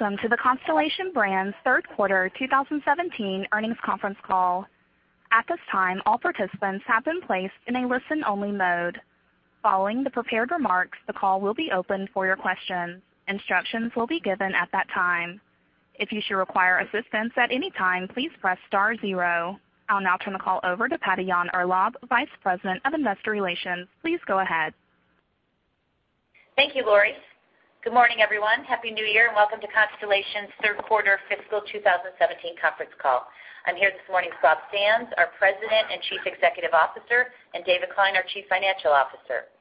Welcome to the Constellation Brands Third Quarter 2017 earnings conference call. At this time, all participants have been placed in a listen-only mode. Following the prepared remarks, the call will be opened for your questions. Instructions will be given at that time. If you should require assistance at any time, please press star zero. I'll now turn the call over to Patty Yahn-Urlaub, Vice President of Investor Relations. Please go ahead. Thank you, Laurie. Good morning, everyone. Happy New Year and welcome to Constellation's Third Quarter Fiscal 2017 conference call. I'm here this morning with Rob Sands, our President and Chief Executive Officer, and David Klein, our Chief Financial Officer.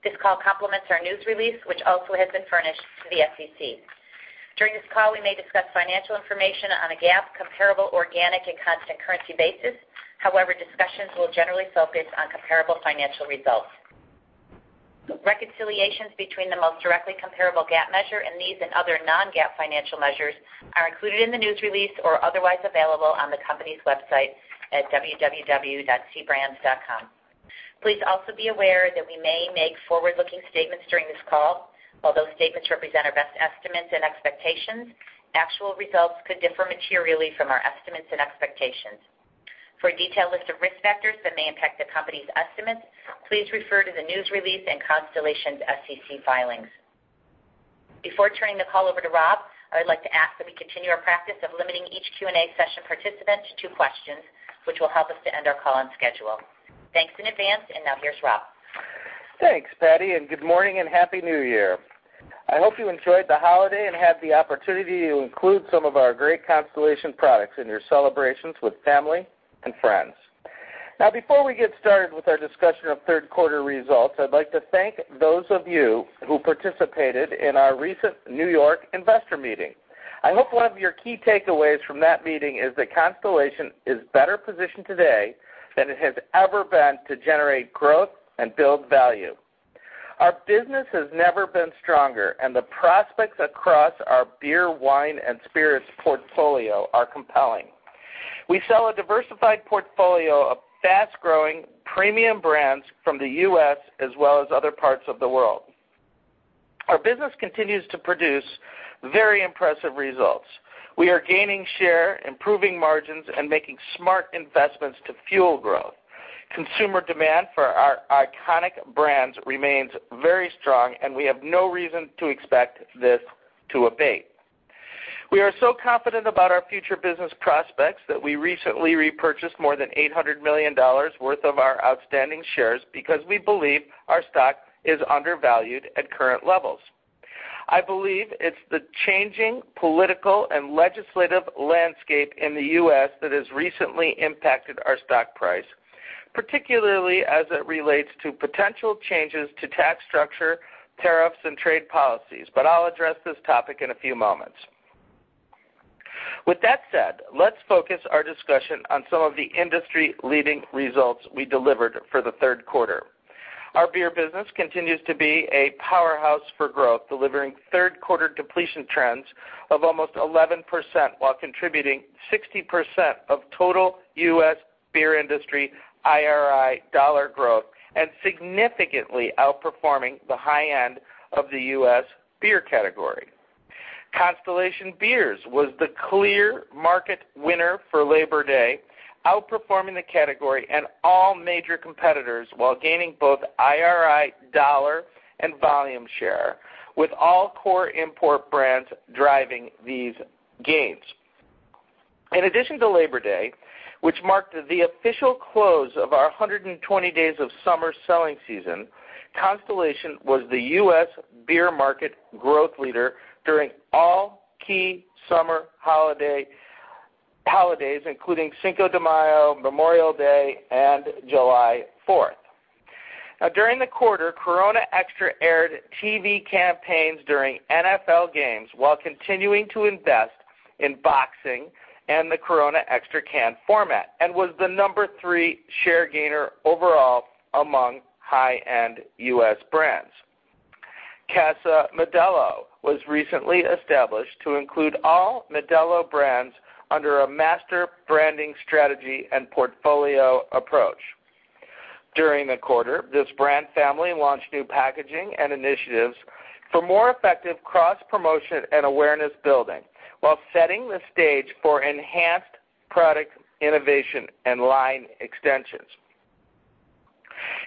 This call complements our news release, which also has been furnished to the SEC. During this call, we may discuss financial information on a GAAP comparable organic and constant currency basis. Discussions will generally focus on comparable financial results. Reconciliations between the most directly comparable GAAP measure and these and other non-GAAP financial measures are included in the news release or otherwise available on the company's website at www.cbrands.com. Please also be aware that we may make forward-looking statements during this call. While those statements represent our best estimates and expectations, actual results could differ materially from our estimates and expectations. For a detailed list of risk factors that may impact the company's estimates, please refer to the news release and Constellation's SEC filings. Before turning the call over to Rob, I would like to ask that we continue our practice of limiting each Q&A session participant to two questions, which will help us to end our call on schedule. Thanks in advance, here's Rob. Thanks, Patty, and good morning and Happy New Year. I hope you enjoyed the holiday and had the opportunity to include some of our great Constellation products in your celebrations with family and friends. Before we get started with our discussion of Third Quarter results, I'd like to thank those of you who participated in our recent New York investor meeting. I hope one of your key takeaways from that meeting is that Constellation is better positioned today than it has ever been to generate growth and build value. Our business has never been stronger, and the prospects across our beer, wine, and spirits portfolio are compelling. We sell a diversified portfolio of fast-growing premium brands from the U.S. as well as other parts of the world. Our business continues to produce very impressive results. We are gaining share, improving margins, and making smart investments to fuel growth. Consumer demand for our iconic brands remains very strong, and we have no reason to expect this to abate. We are so confident about our future business prospects that we recently repurchased more than $800 million worth of our outstanding shares because we believe our stock is undervalued at current levels. I believe it's the changing political and legislative landscape in the U.S. that has recently impacted our stock price, particularly as it relates to potential changes to tax structure, tariffs, and trade policies. I'll address this topic in a few moments. With that said, let's focus our discussion on some of the industry-leading results we delivered for the third quarter. Our beer business continues to be a powerhouse for growth, delivering third-quarter depletion trends of almost 11%, while contributing 60% of total U.S. beer industry IRI dollar growth and significantly outperforming the high end of the U.S. beer category. Constellation Beers was the clear market winner for Labor Day, outperforming the category and all major competitors, while gaining both IRI dollar and volume share, with all core import brands driving these gains. In addition to Labor Day, which marked the official close of our 120 days of summer selling season, Constellation was the U.S. beer market growth leader during all key summer holidays, including Cinco de Mayo, Memorial Day, and July 4th. Now, during the quarter, Corona Extra aired TV campaigns during NFL games while continuing to invest in boxing and the Corona Extra can format and was the number 3 share gainer overall among high-end U.S. brands. Casa Modelo was recently established to include all Modelo brands under a master branding strategy and portfolio approach. During the quarter, this brand family launched new packaging and initiatives for more effective cross-promotion and awareness building while setting the stage for enhanced product innovation and line extensions.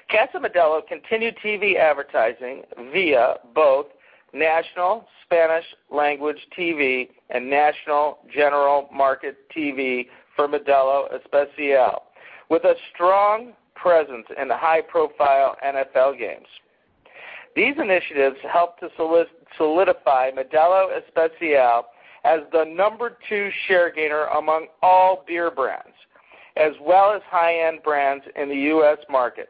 Casa Modelo continued TV advertising via both national Spanish language TV and national general market TV for Modelo Especial, with a strong presence in the high-profile NFL games. These initiatives helped to solidify Modelo Especial as the number 2 share gainer among all beer brands, as well as high-end brands in the U.S. market,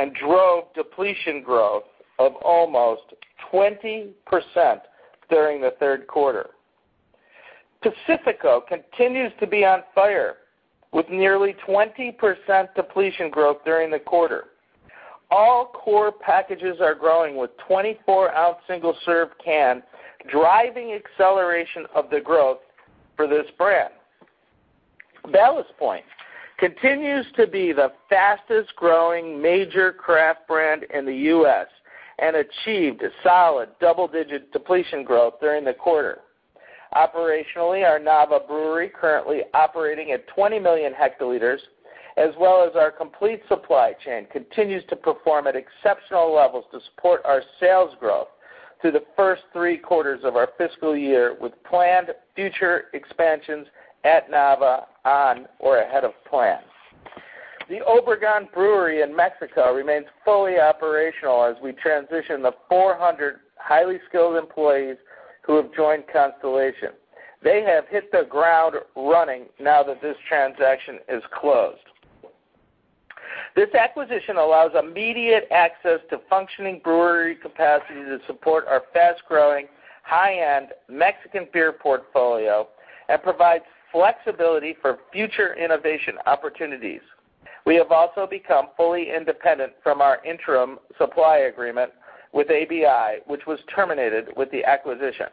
and drove depletion growth of almost 20% during the third quarter. Pacifico continues to be on fire with nearly 20% depletion growth during the quarter. All core packages are growing, with 24-ounce single-serve can driving acceleration of the growth for this brand. Ballast Point continues to be the fastest-growing major craft brand in the U.S. and achieved a solid double-digit depletion growth during the quarter. Operationally, our Nava Brewery, currently operating at 20 million hectoliters, as well as our complete supply chain, continues to perform at exceptional levels to support our sales growth through the first three quarters of our fiscal year, with planned future expansions at Nava on or ahead of plan. The Obregon Brewery in Mexico remains fully operational as we transition the 400 highly skilled employees who have joined Constellation. They have hit the ground running now that this transaction is closed. This acquisition allows immediate access to functioning brewery capacity to support our fast-growing, high-end Mexican beer portfolio and provides flexibility for future innovation opportunities. We have also become fully independent from our interim supply agreement with ABI, which was terminated with the acquisition.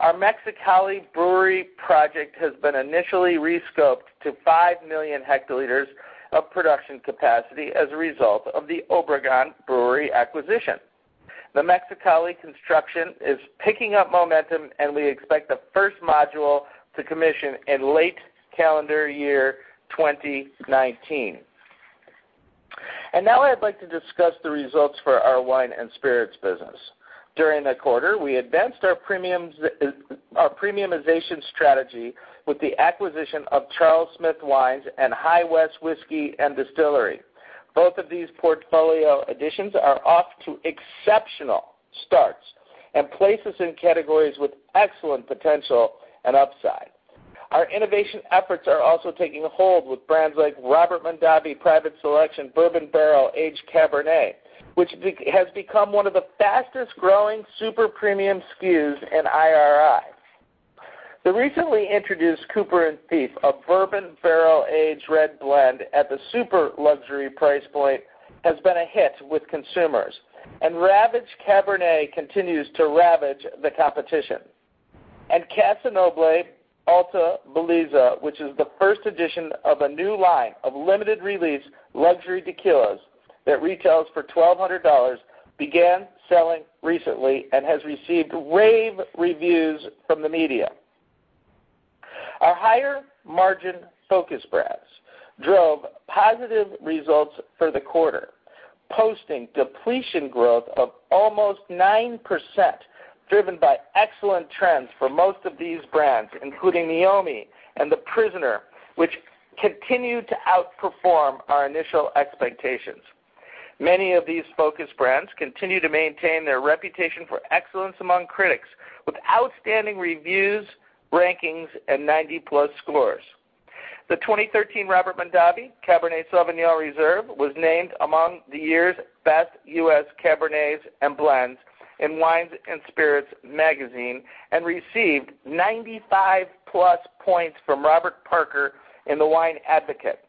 Our Mexicali brewery project has been initially re-scoped to 5 million hectoliters of production capacity as a result of the Obregon Brewery acquisition. The Mexicali construction is picking up momentum, and we expect the first module to commission in late calendar year 2019. Now I'd like to discuss the results for our wine and spirits business. During the quarter, we advanced our premiumization strategy with the acquisition of Charles Smith Wines and High West Distillery. Both of these portfolio additions are off to exceptional starts and place us in categories with excellent potential and upside. Our innovation efforts are also taking hold with brands like Robert Mondavi Private Selection Bourbon Barrel Aged Cabernet, which has become one of the fastest-growing super premium SKUs in IRI. The recently introduced Cooper & Thief, a bourbon barrel-aged red blend at the super luxury price point, has been a hit with consumers, and Ravage Cabernet continues to ravage the competition. Casa Noble Alta Belleza, which is the first edition of a new line of limited release luxury tequilas that retails for $1,200, began selling recently and has received rave reviews from the media. Our higher margin focus brands drove positive results for the quarter, posting depletion growth of almost 9%, driven by excellent trends for most of these brands, including Meiomi and The Prisoner, which continue to outperform our initial expectations. Many of these focus brands continue to maintain their reputation for excellence among critics, with outstanding reviews, rankings, and 90-plus scores. The 2013 Robert Mondavi Cabernet Sauvignon Reserve was named among the year's best U.S. Cabernets and blends in Wine & Spirits magazine and received 95-plus points from Robert Parker in the Wine Advocate.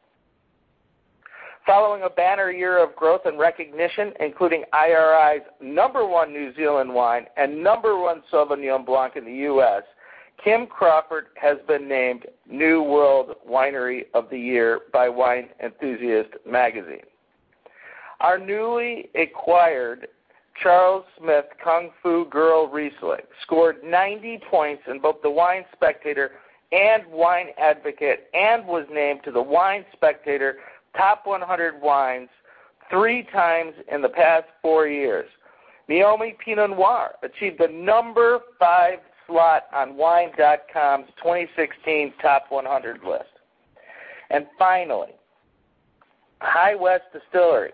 Following a banner year of growth and recognition, including IRI's number one New Zealand wine and number one Sauvignon Blanc in the U.S., Kim Crawford has been named New World Winery of the Year by Wine Enthusiast Magazine. Our newly acquired Charles Smith Kung Fu Girl Riesling scored 90 points in both the Wine Spectator and Wine Advocate and was named to the Wine Spectator Top 100 Wines three times in the past four years. Meiomi Pinot Noir achieved the number 5 slot on wine.com's 2016 Top 100 list. Finally, High West Distillery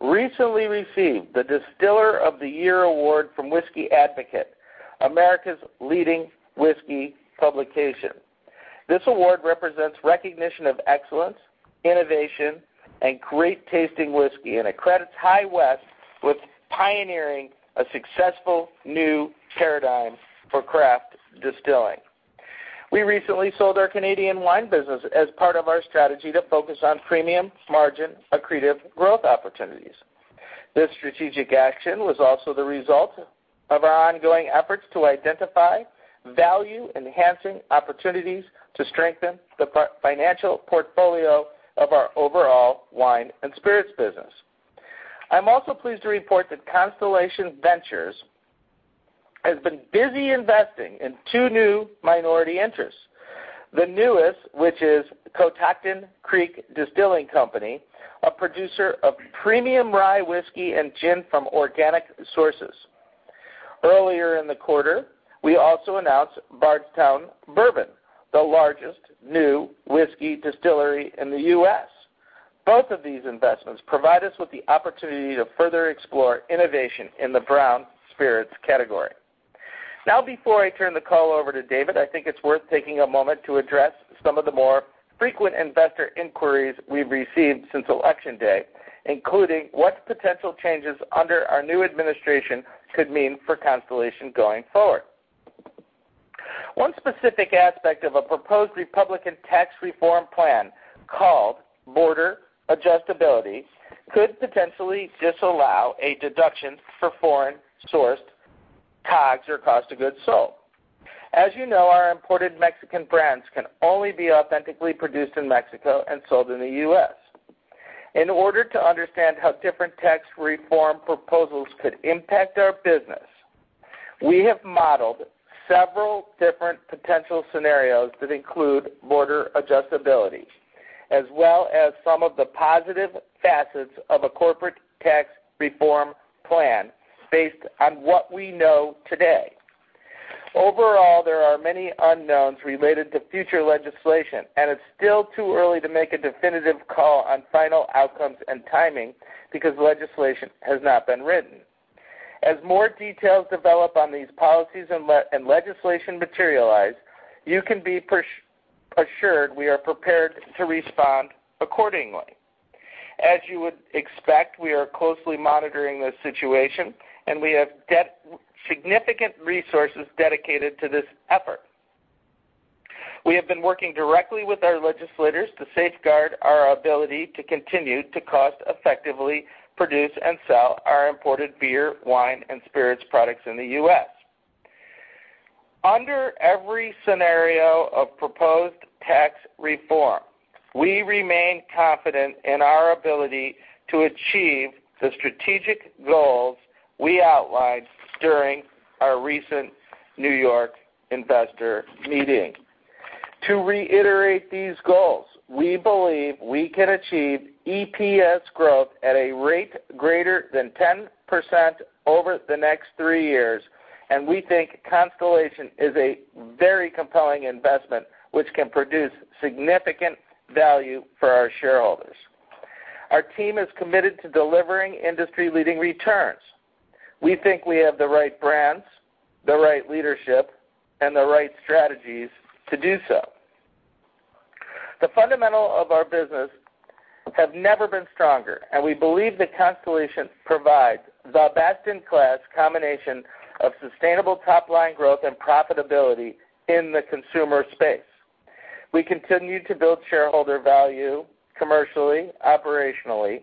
recently received the Distiller of the Year award from Whisky Advocate, America's leading whisky publication. This award represents recognition of excellence, innovation, and great-tasting whiskey and accredits High West with pioneering a successful new paradigm for craft distilling. We recently sold our Canadian wine business as part of our strategy to focus on premium margin accretive growth opportunities. This strategic action was also the result of our ongoing efforts to identify value-enhancing opportunities to strengthen the financial portfolio of our overall wine and spirits business. I'm also pleased to report that Constellation Ventures has been busy investing in 2 new minority interests. The newest, which is Catoctin Creek Distilling Company, a producer of premium rye whiskey and gin from organic sources. Earlier in the quarter, we also announced Bardstown Bourbon, the largest new whiskey distillery in the U.S. Both of these investments provide us with the opportunity to further explore innovation in the brown spirits category. Before I turn the call over to David, I think it's worth taking a moment to address some of the more frequent investor inquiries we've received since election day, including what potential changes under our new administration could mean for Constellation going forward. One specific aspect of a proposed Republican tax reform plan called border adjustability could potentially disallow a deduction for foreign-sourced COGS or cost of goods sold. As you know, our imported Mexican brands can only be authentically produced in Mexico and sold in the U.S. In order to understand how different tax reform proposals could impact our business, we have modeled several different potential scenarios that include border adjustability, as well as some of the positive facets of a corporate tax reform plan based on what we know today. There are many unknowns related to future legislation, it's still too early to make a definitive call on final outcomes and timing because legislation has not been written. As more details develop on these policies and legislation materialize, you can be assured we are prepared to respond accordingly. As you would expect, we are closely monitoring the situation, we have significant resources dedicated to this effort. We have been working directly with our legislators to safeguard our ability to continue to cost-effectively produce and sell our imported beer, wine, and spirits products in the U.S. Under every scenario of proposed tax reform, we remain confident in our ability to achieve the strategic goals we outlined during our recent New York investor meeting. To reiterate these goals, we believe we can achieve EPS growth at a rate greater than 10% over the next three years, we think Constellation is a very compelling investment which can produce significant value for our shareholders. Our team is committed to delivering industry-leading returns. We think we have the right brands, the right leadership, the right strategies to do so. The fundamentals of our business have never been stronger, we believe that Constellation provides the best-in-class combination of sustainable top-line growth and profitability in the consumer space. We continue to build shareholder value commercially, operationally,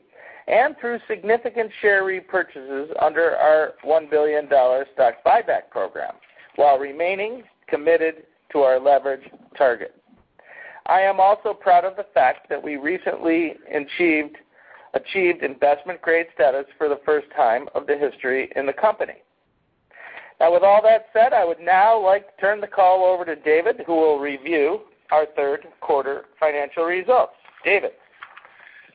and through significant share repurchases under our $1 billion stock buyback program while remaining committed to our leverage target. I am also proud of the fact that we recently achieved investment-grade status for the first time of the history in the company. With all that said, I would now like to turn the call over to David, who will review our third quarter financial results.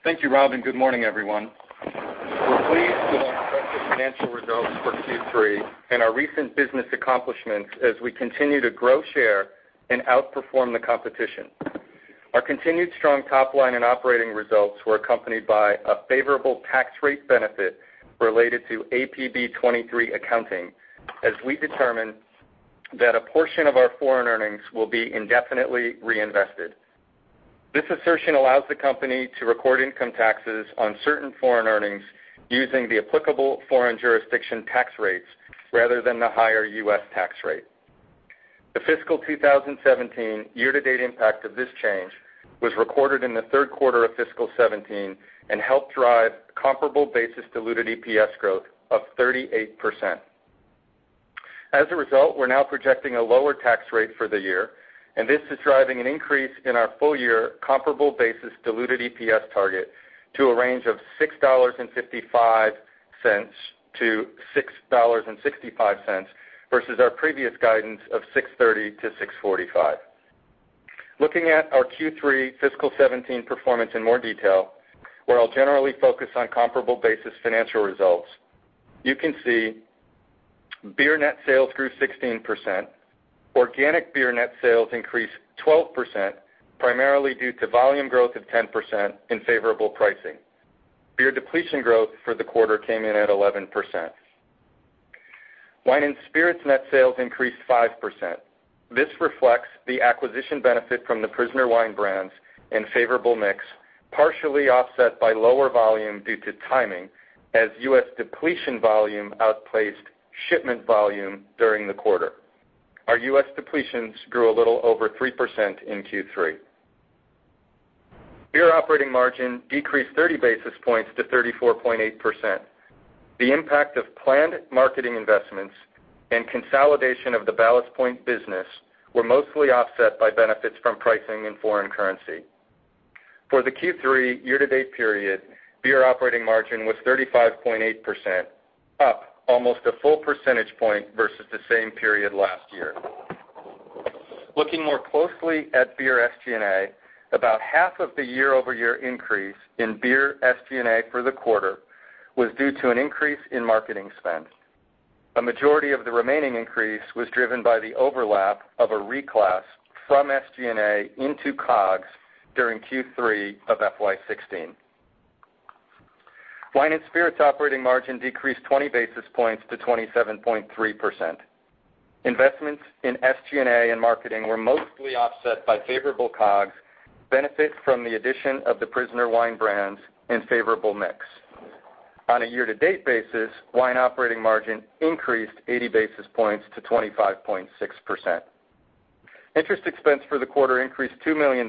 David. Thank you, Rob, and good morning, everyone. We're pleased with our financial results for Q3 and our recent business accomplishments as we continue to grow share and outperform the competition. Our continued strong top-line and operating results were accompanied by a favorable tax rate benefit related to APB 23 accounting, as we determined that a portion of our foreign earnings will be indefinitely reinvested. This assertion allows the company to record income taxes on certain foreign earnings using the applicable foreign jurisdiction tax rates rather than the higher U.S. tax rate. The fiscal 2017 year-to-date impact of this change was recorded in the third quarter of fiscal 2017 and helped drive comparable basis diluted EPS growth of 38%. We're now projecting a lower tax rate for the year, and this is driving an increase in our full-year comparable basis diluted EPS target to a range of $6.55-$6.65 versus our previous guidance of $6.30-$6.45. Looking at our Q3 fiscal 2017 performance in more detail, where I'll generally focus on comparable basis financial results, you can see beer net sales grew 16%. Organic beer net sales increased 12%, primarily due to volume growth of 10% in favorable pricing. Beer depletion growth for the quarter came in at 11%. Wine and spirits net sales increased 5%. This reflects the acquisition benefit from the Prisoner Wine brands and favorable mix, partially offset by lower volume due to timing as U.S. depletion volume outpaced shipment volume during the quarter. Our U.S. depletions grew a little over 3% in Q3. Beer operating margin decreased 30 basis points to 34.8%. The impact of planned marketing investments and consolidation of the Ballast Point business were mostly offset by benefits from pricing and foreign currency. For the Q3 year-to-date period, beer operating margin was 35.8%, up almost a full percentage point versus the same period last year. Looking more closely at beer SG&A, about half of the year-over-year increase in beer SG&A for the quarter was due to an increase in marketing spend. A majority of the remaining increase was driven by the overlap of a reclass from SG&A into COGS during Q3 of FY 2016. Wine and spirits operating margin decreased 20 basis points to 27.3%. Investments in SG&A and marketing were mostly offset by favorable COGS, benefit from the addition of the Prisoner Wine brands, and favorable mix. On a year-to-date basis, wine operating margin increased 80 basis points to 25.6%. Interest expense for the quarter increased $2 million,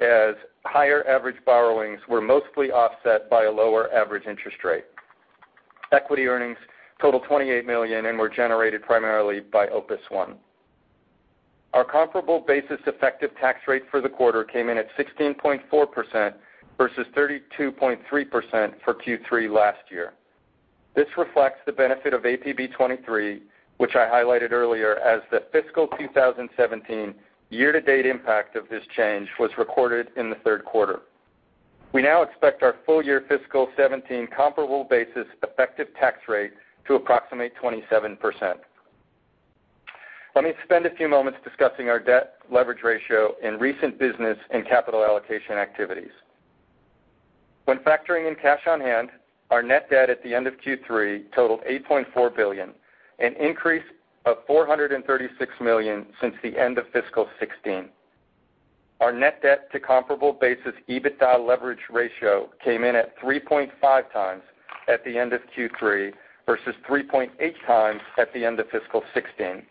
as higher average borrowings were mostly offset by a lower average interest rate. Equity earnings total $28 million and were generated primarily by Opus One. Our comparable basis effective tax rate for the quarter came in at 16.4% versus 32.3% for Q3 last year. This reflects the benefit of APB 23, which I highlighted earlier as the fiscal 2017 year-to-date impact of this change was recorded in the third quarter. We now expect our full-year fiscal 2017 comparable basis effective tax rate to approximate 27%. Let me spend a few moments discussing our debt leverage ratio in recent business and capital allocation activities. When factoring in cash on hand, our net debt at the end of Q3 totaled $8.4 billion, an increase of $436 million since the end of fiscal 2016. Our net debt to comparable basis EBITDA leverage ratio came in at 3.5 times at the end of Q3 versus 3.8 times at the end of fiscal 2016.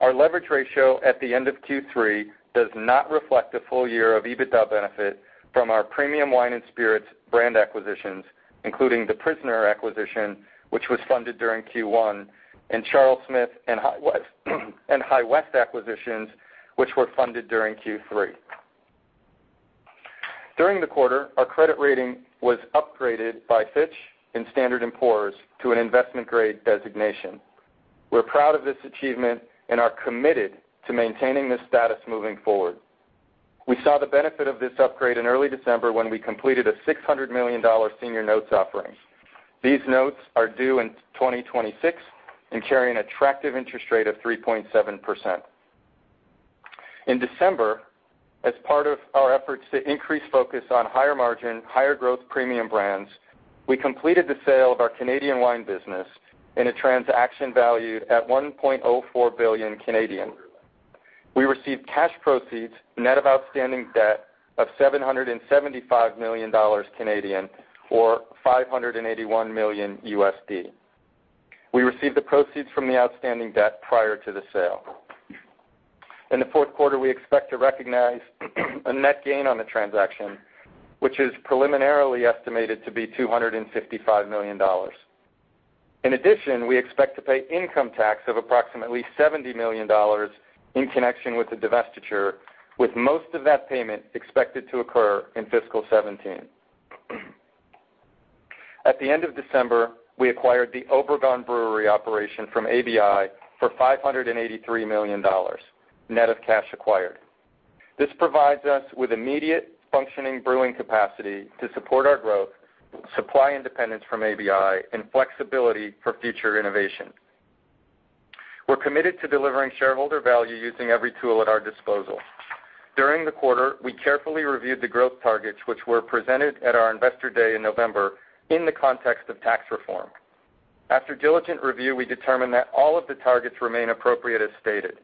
Our leverage ratio at the end of Q3 does not reflect a full year of EBITDA benefit from our premium wine and spirits brand acquisitions, including the Prisoner acquisition, which was funded during Q1, and Charles Smith and High West acquisitions, which were funded during Q3. During the quarter, our credit rating was upgraded by Fitch and Standard and Poor's to an investment-grade designation. We're proud of this achievement and are committed to maintaining this status moving forward. We saw the benefit of this upgrade in early December when we completed a $600 million senior notes offering. These notes are due in 2026 and carry an attractive interest rate of 3.7%. In December, as part of our efforts to increase focus on higher margin, higher growth premium brands, we completed the sale of our Canadian wine business in a transaction valued at 1.04 billion. We received cash proceeds, net of outstanding debt of 775 million Canadian dollars, or $581 million. We received the proceeds from the outstanding debt prior to the sale. In the fourth quarter, we expect to recognize a net gain on the transaction, which is preliminarily estimated to be $255 million. In addition, we expect to pay income tax of approximately $70 million in connection with the divestiture, with most of that payment expected to occur in fiscal 2017. At the end of December, we acquired the Obregon Brewery operation from ABI for $583 million, net of cash acquired. This provides us with immediate functioning brewing capacity to support our growth, supply independence from ABI, and flexibility for future innovation. We're committed to delivering shareholder value using every tool at our disposal. During the quarter, we carefully reviewed the growth targets, which were presented at our investor day in November in the context of tax reform. After diligent review, we determined that all of the targets remain appropriate as stated.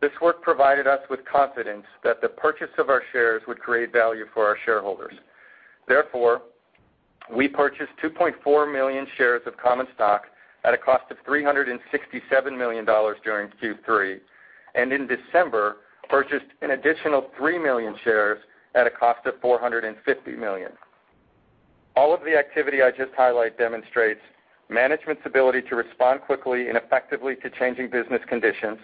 This work provided us with confidence that the purchase of our shares would create value for our shareholders. Therefore, we purchased 2.4 million shares of common stock at a cost of $367 million during Q3, and in December, purchased an additional three million shares at a cost of $450 million. All of the activity I just highlighted demonstrates management's ability to respond quickly and effectively to changing business conditions,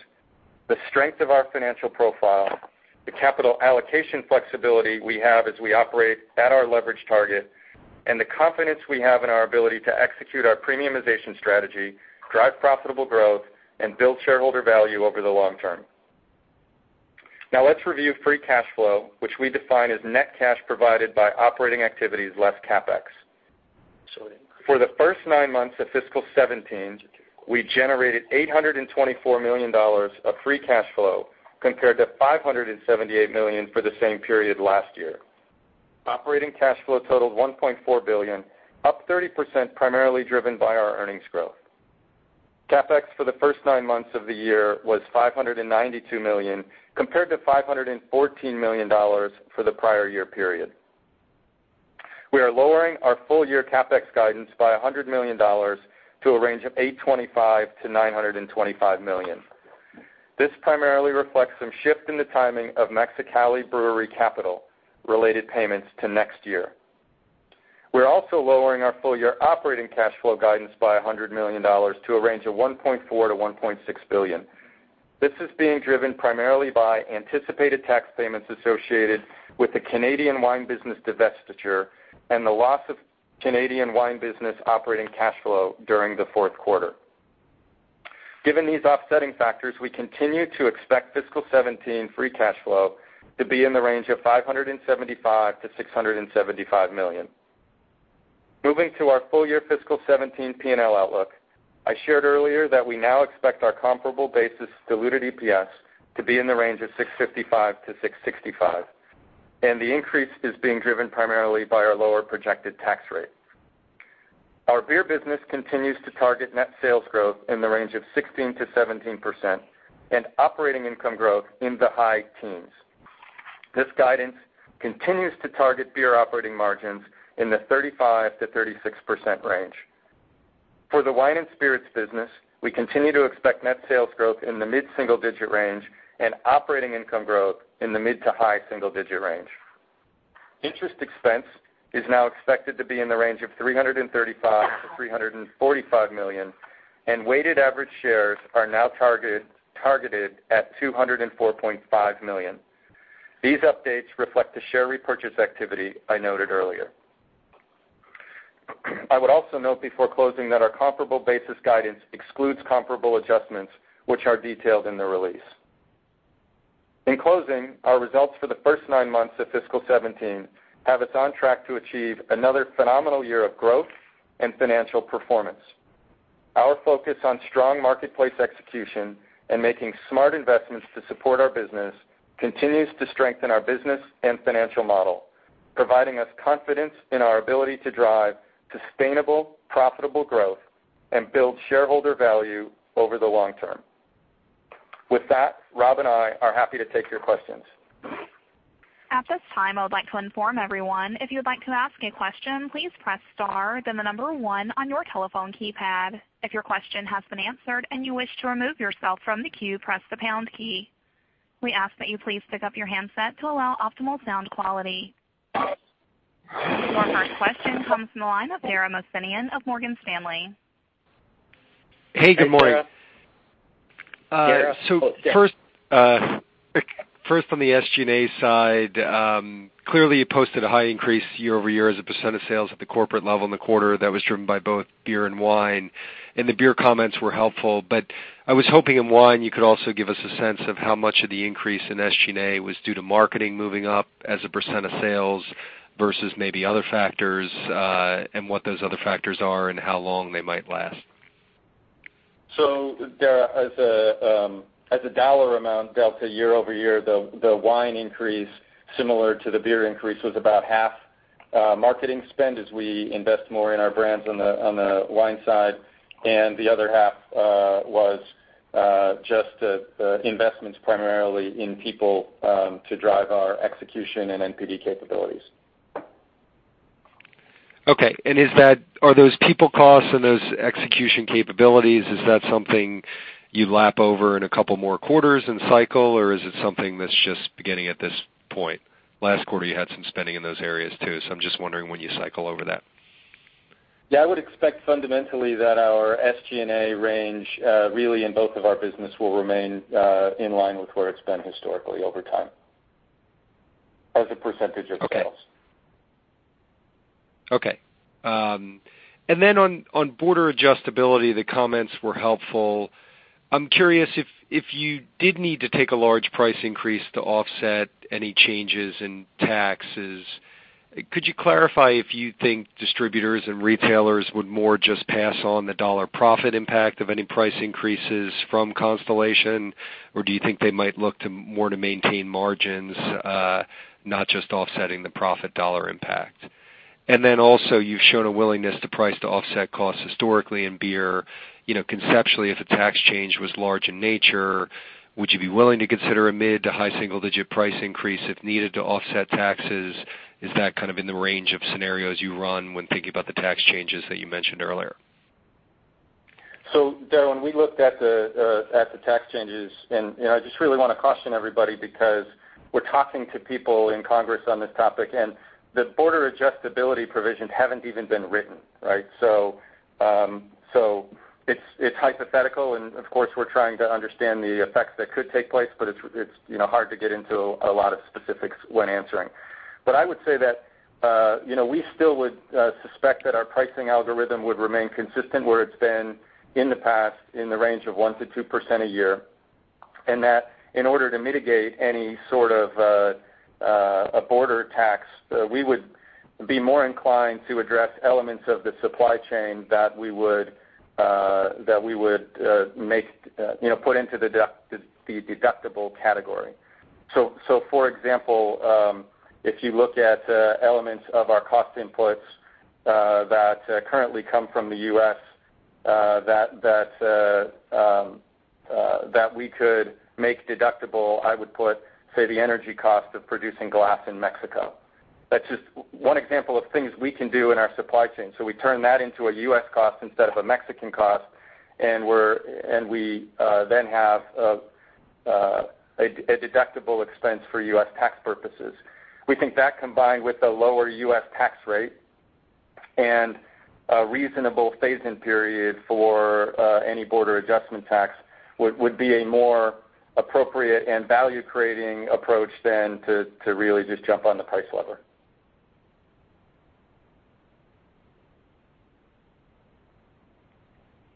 the strength of our financial profile, the capital allocation flexibility we have as we operate at our leverage target, and the confidence we have in our ability to execute our premiumization strategy, drive profitable growth, and build shareholder value over the long term. Now let's review free cash flow, which we define as net cash provided by operating activities less CapEx. For the first nine months of fiscal 2017, we generated $824 million of free cash flow compared to $578 million for the same period last year. Operating cash flow totaled $1.4 billion, up 30%, primarily driven by our earnings growth. CapEx for the first nine months of the year was $592 million, compared to $514 million for the prior year period. We are lowering our full-year CapEx guidance by $100 million to a range of $825 million-$925 million. This primarily reflects some shift in the timing of Mexicali Brewery capital related payments to next year. We are also lowering our full-year operating cash flow guidance by $100 million to a range of $1.4 billion-$1.6 billion. This is being driven primarily by anticipated tax payments associated with the Canadian wine business divestiture and the loss of Canadian wine business operating cash flow during the fourth quarter. Given these offsetting factors, we continue to expect fiscal 2017 free cash flow to be in the range of $575 million-$675 million. Moving to our full-year fiscal 2017 P&L outlook. I shared earlier that we now expect our comparable basis diluted EPS to be in the range of $6.55-$6.65. The increase is being driven primarily by our lower projected tax rate. Our beer business continues to target net sales growth in the range of 16%-17% and operating income growth in the high teens. This guidance continues to target beer operating margins in the 35%-36% range. For the wine and spirits business, we continue to expect net sales growth in the mid-single-digit range and operating income growth in the mid to high single-digit range. Interest expense is now expected to be in the range of $335 million-$345 million, and weighted average shares are now targeted at 204.5 million. These updates reflect the share repurchase activity I noted earlier. I would also note before closing that our comparable basis guidance excludes comparable adjustments, which are detailed in the release. In closing, our results for the first nine months of fiscal 2017 have us on track to achieve another phenomenal year of growth and financial performance. Our focus on strong marketplace execution and making smart investments to support our business continues to strengthen our business and financial model, providing us confidence in our ability to drive sustainable, profitable growth and build shareholder value over the long term. With that, Rob and I are happy to take your questions. At this time, I would like to inform everyone, if you would like to ask a question, please press star, then the number one on your telephone keypad. If your question has been answered and you wish to remove yourself from the queue, press the pound key. We ask that you please pick up your handset to allow optimal sound quality. Our first question comes from the line of Dara Mohsenian of Morgan Stanley. Hey, good morning. Hey, Dara. First, on the SG&A side, clearly you posted a high increase year-over-year as a % of sales at the corporate level in the quarter that was driven by both beer and wine. The beer comments were helpful, but I was hoping in wine, you could also give us a sense of how much of the increase in SG&A was due to marketing moving up as a % of sales versus maybe other factors, and what those other factors are and how long they might last. Dara, as a dollar amount delta year-over-year, the wine increase, similar to the beer increase, was about half marketing spend as we invest more in our brands on the wine side. The other half was just investments primarily in people to drive our execution and NPD capabilities. Okay. Are those people costs and those execution capabilities, is that something you lap over in a couple more quarters in cycle, or is it something that's just beginning at this point? Last quarter, you had some spending in those areas too, so I'm just wondering when you cycle over that. Yeah, I would expect fundamentally that our SG&A range, really in both of our business, will remain in line with where it's been historically over time as a percentage of sales. Okay. On border adjustability, the comments were helpful. I'm curious, if you did need to take a large price increase to offset any changes in taxes, could you clarify if you think distributors and retailers would more just pass on the dollar profit impact of any price increases from Constellation? Do you think they might look more to maintain margins, not just offsetting the profit dollar impact? Also, you've shown a willingness to price to offset costs historically in beer. Conceptually, if a tax change was large in nature, would you be willing to consider a mid to high single-digit price increase if needed to offset taxes? Is that kind of in the range of scenarios you run when thinking about the tax changes that you mentioned earlier? Dara, when we looked at the tax changes, I just really want to caution everybody because we're talking to people in Congress on this topic, the border adjustability provisions haven't even been written, right? It's hypothetical, and of course, we're trying to understand the effects that could take place, but it's hard to get into a lot of specifics when answering. I would say that we still would suspect that our pricing algorithm would remain consistent where it's been in the past, in the range of 1% to 2% a year, and that in order to mitigate any sort of a border tax, we would be more inclined to address elements of the supply chain that we would put into the deductible category. For example, if you look at elements of our cost inputs that currently come from the U.S. that we could make deductible, I would put, say, the energy cost of producing glass in Mexico. That's just one example of things we can do in our supply chain. We turn that into a U.S. cost instead of a Mexican cost, and we then have a deductible expense for U.S. tax purposes. We think that combined with the lower U.S. tax rate and a reasonable phase-in period for any border adjustment tax, would be a more appropriate and value-creating approach than to really just jump on the price lever.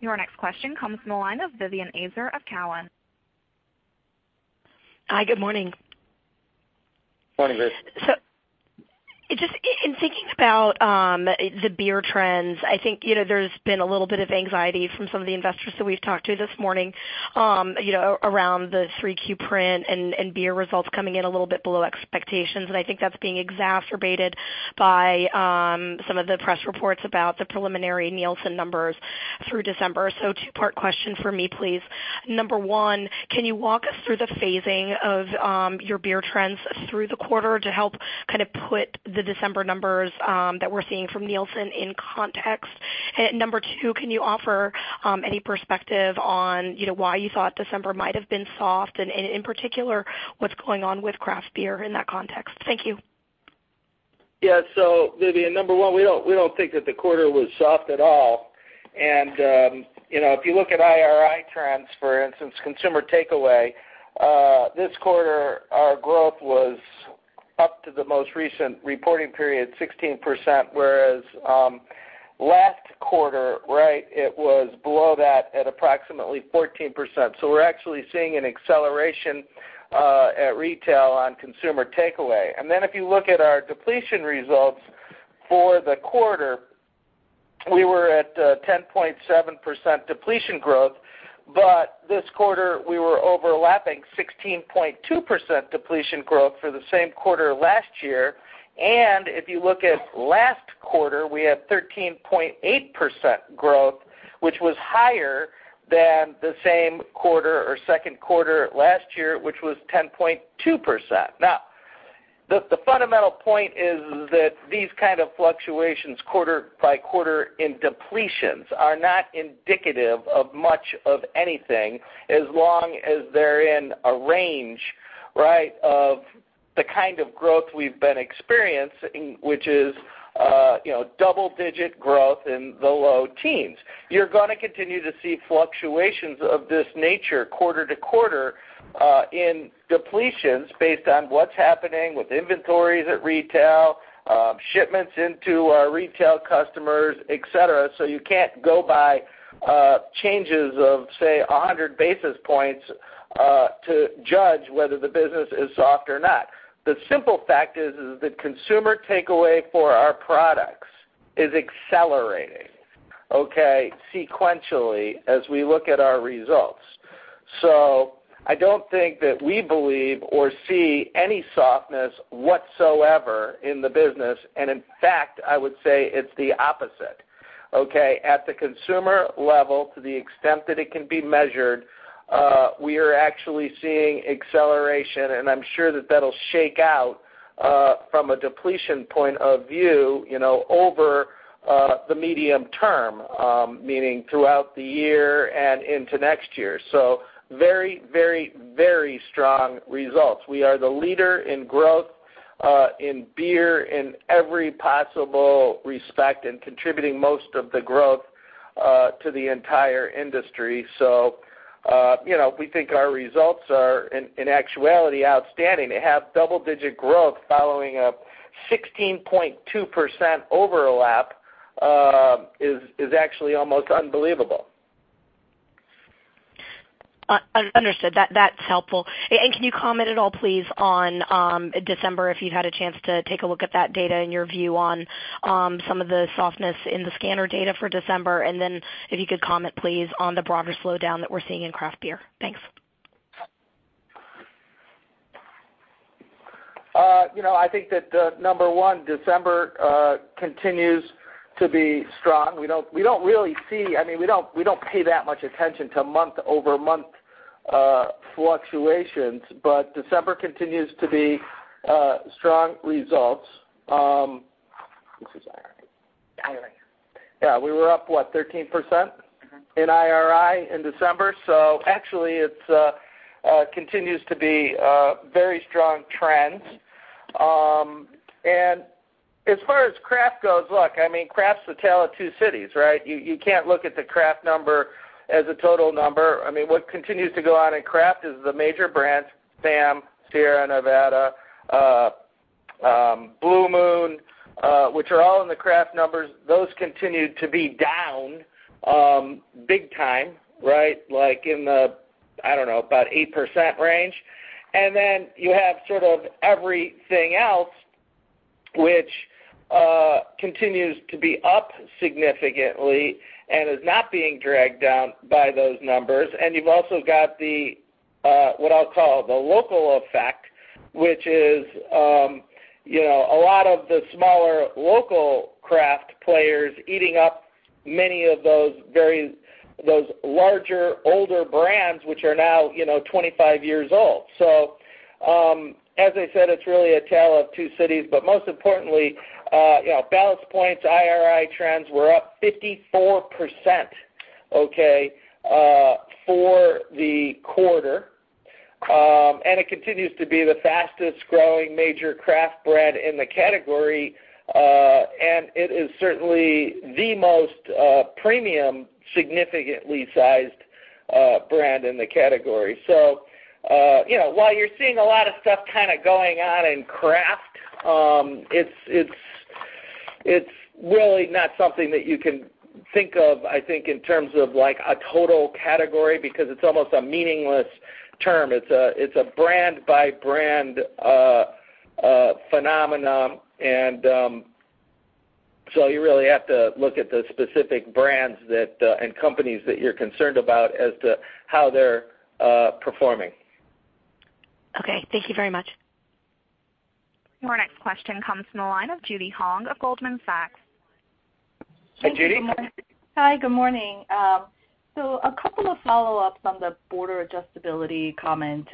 Your next question comes from the line of Vivien Azer of Cowen. Hi, good morning. Morning, Viv. Just in thinking about the beer trends, I think there's been a little bit of anxiety from some of the investors that we've talked to this morning around the 3Q print and beer results coming in a little bit below expectations. I think that's being exacerbated by some of the press reports about the preliminary Nielsen numbers through December. Two-part question for me, please. Number 1, can you walk us through the phasing of your beer trends through the quarter to help put the December numbers that we're seeing from Nielsen in context? Number 2, can you offer any perspective on why you thought December might have been soft, and in particular, what's going on with craft beer in that context? Thank you. Vivien, number 1, we don't think that the quarter was soft at all. If you look at IRI trends, for instance, consumer takeaway, this quarter, our growth was up to the most recent reporting period, 16%, whereas last quarter, it was below that at approximately 14%. We're actually seeing an acceleration at retail on consumer takeaway. If you look at our depletion results for the quarter, we were at 10.7% depletion growth, but this quarter we were overlapping 16.2% depletion growth for the same quarter last year. If you look at last quarter, we had 13.8% growth, which was higher than the same quarter or second quarter last year, which was 10.2%. The fundamental point is that these kind of fluctuations quarter by quarter in depletions are not indicative of much of anything as long as they're in a range of the kind of growth we've been experiencing, which is double-digit growth in the low teens. You're going to continue to see fluctuations of this nature quarter to quarter in depletions based on what's happening with inventories at retail, shipments into our retail customers, et cetera. You can't go by changes of, say, 100 basis points to judge whether the business is soft or not. The simple fact is that consumer takeaway for our products is accelerating sequentially as we look at our results. I don't think that we believe or see any softness whatsoever in the business, and in fact, I would say it's the opposite. At the consumer level, to the extent that it can be measured, we are actually seeing acceleration, and I'm sure that that'll shake out from a depletion point of view over the medium term, meaning throughout the year and into next year. Very strong results. We are the leader in growth in beer in every possible respect, and contributing most of the growth to the entire industry. We think our results are in actuality outstanding. To have double-digit growth following a 16.2% overlap is actually almost unbelievable. Understood. That's helpful. Can you comment at all, please, on December, if you've had a chance to take a look at that data and your view on some of the softness in the scanner data for December? If you could comment, please, on the broader slowdown that we're seeing in craft beer. Thanks. Number one, December continues to be strong. We don't pay that much attention to month-over-month fluctuations, December continues to be strong results. This is IRI. IRI. Yeah, we were up, what, 13% in IRI in December. Actually, it continues to be very strong trends. As far as craft goes, look, craft's the Tale of Two Cities, right? You can't look at the craft number as a total number. What continues to go on in craft is the major brands, Sam, Sierra Nevada, Blue Moon, which are all in the craft numbers. Those continue to be down big time, like in the, I don't know, about 8% range. You have sort of everything else which continues to be up significantly and is not being dragged down by those numbers. You've also got what I'll call the local effect, which is a lot of the smaller local craft players eating up many of those larger, older brands, which are now 25 years old. As I said, it's really a Tale of Two Cities. Most importantly, Ballast Point's IRI trends were up 54% for the quarter. It continues to be the fastest-growing major craft brand in the category. It is certainly the most premium, significantly sized brand in the category. While you're seeing a lot of stuff kind of going on in craft, it's really not something that you can think of, I think, in terms of a total category, because it's almost a meaningless term. It's a brand-by-brand phenomenon, you really have to look at the specific brands and companies that you're concerned about as to how they're performing. Okay. Thank you very much. Our next question comes from the line of Judy Hong of Goldman Sachs. Thank you. Good morning. Hi, Judy. Hi, good morning. A couple of follow-ups on the border adjustability comment.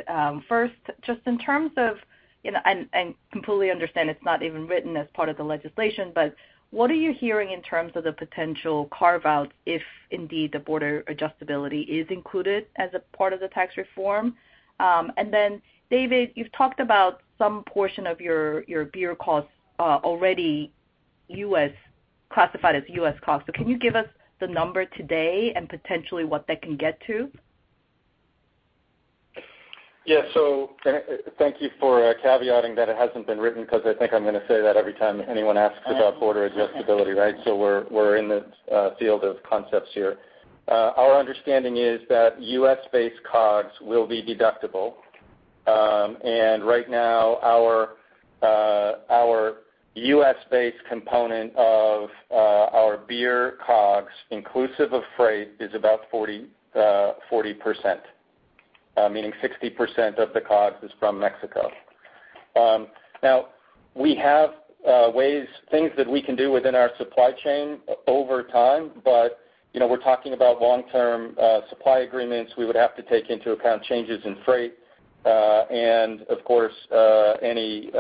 First, just in terms of, and I completely understand it's not even written as part of the legislation, but what are you hearing in terms of the potential carve-out if indeed the border adjustability is included as a part of the tax reform? David, you've talked about some portion of your beer costs already U.S., classified as U.S. COGS. Can you give us the number today and potentially what that can get to? Yes. Thank you for caveating that it hasn't been written, because I think I'm going to say that every time anyone asks about border adjustability, right? We're in the field of concepts here. Our understanding is that U.S.-based COGS will be deductible. Right now, our U.S.-based component of our beer COGS, inclusive of freight, is about 40%, meaning 60% of the COGS is from Mexico. We have things that we can do within our supply chain over time, but we're talking about long-term supply agreements. We would have to take into account changes in freight, and of course, any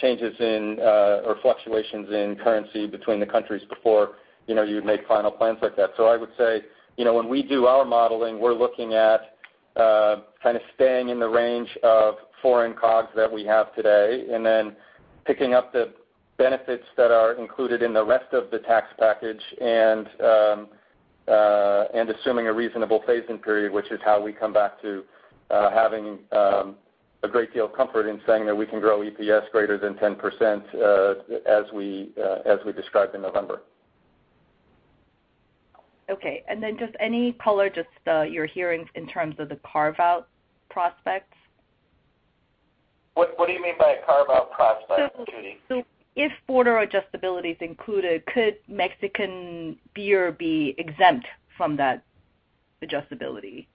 changes in or fluctuations in currency between the countries before you'd make final plans like that. I would say, when we do our modeling, we're looking at kind of staying in the range of foreign COGS that we have today, and then picking up the benefits that are included in the rest of the tax package, and assuming a reasonable phase-in period, which is how we come back to having a great deal of comfort in saying that we can grow EPS greater than 10% as we described in November. Okay. Then just any color, just your hearings in terms of the carve-out prospects? What do you mean by carve-out prospects, Judy? If border adjustability is included, could Mexican beer be exempt from that adjustability?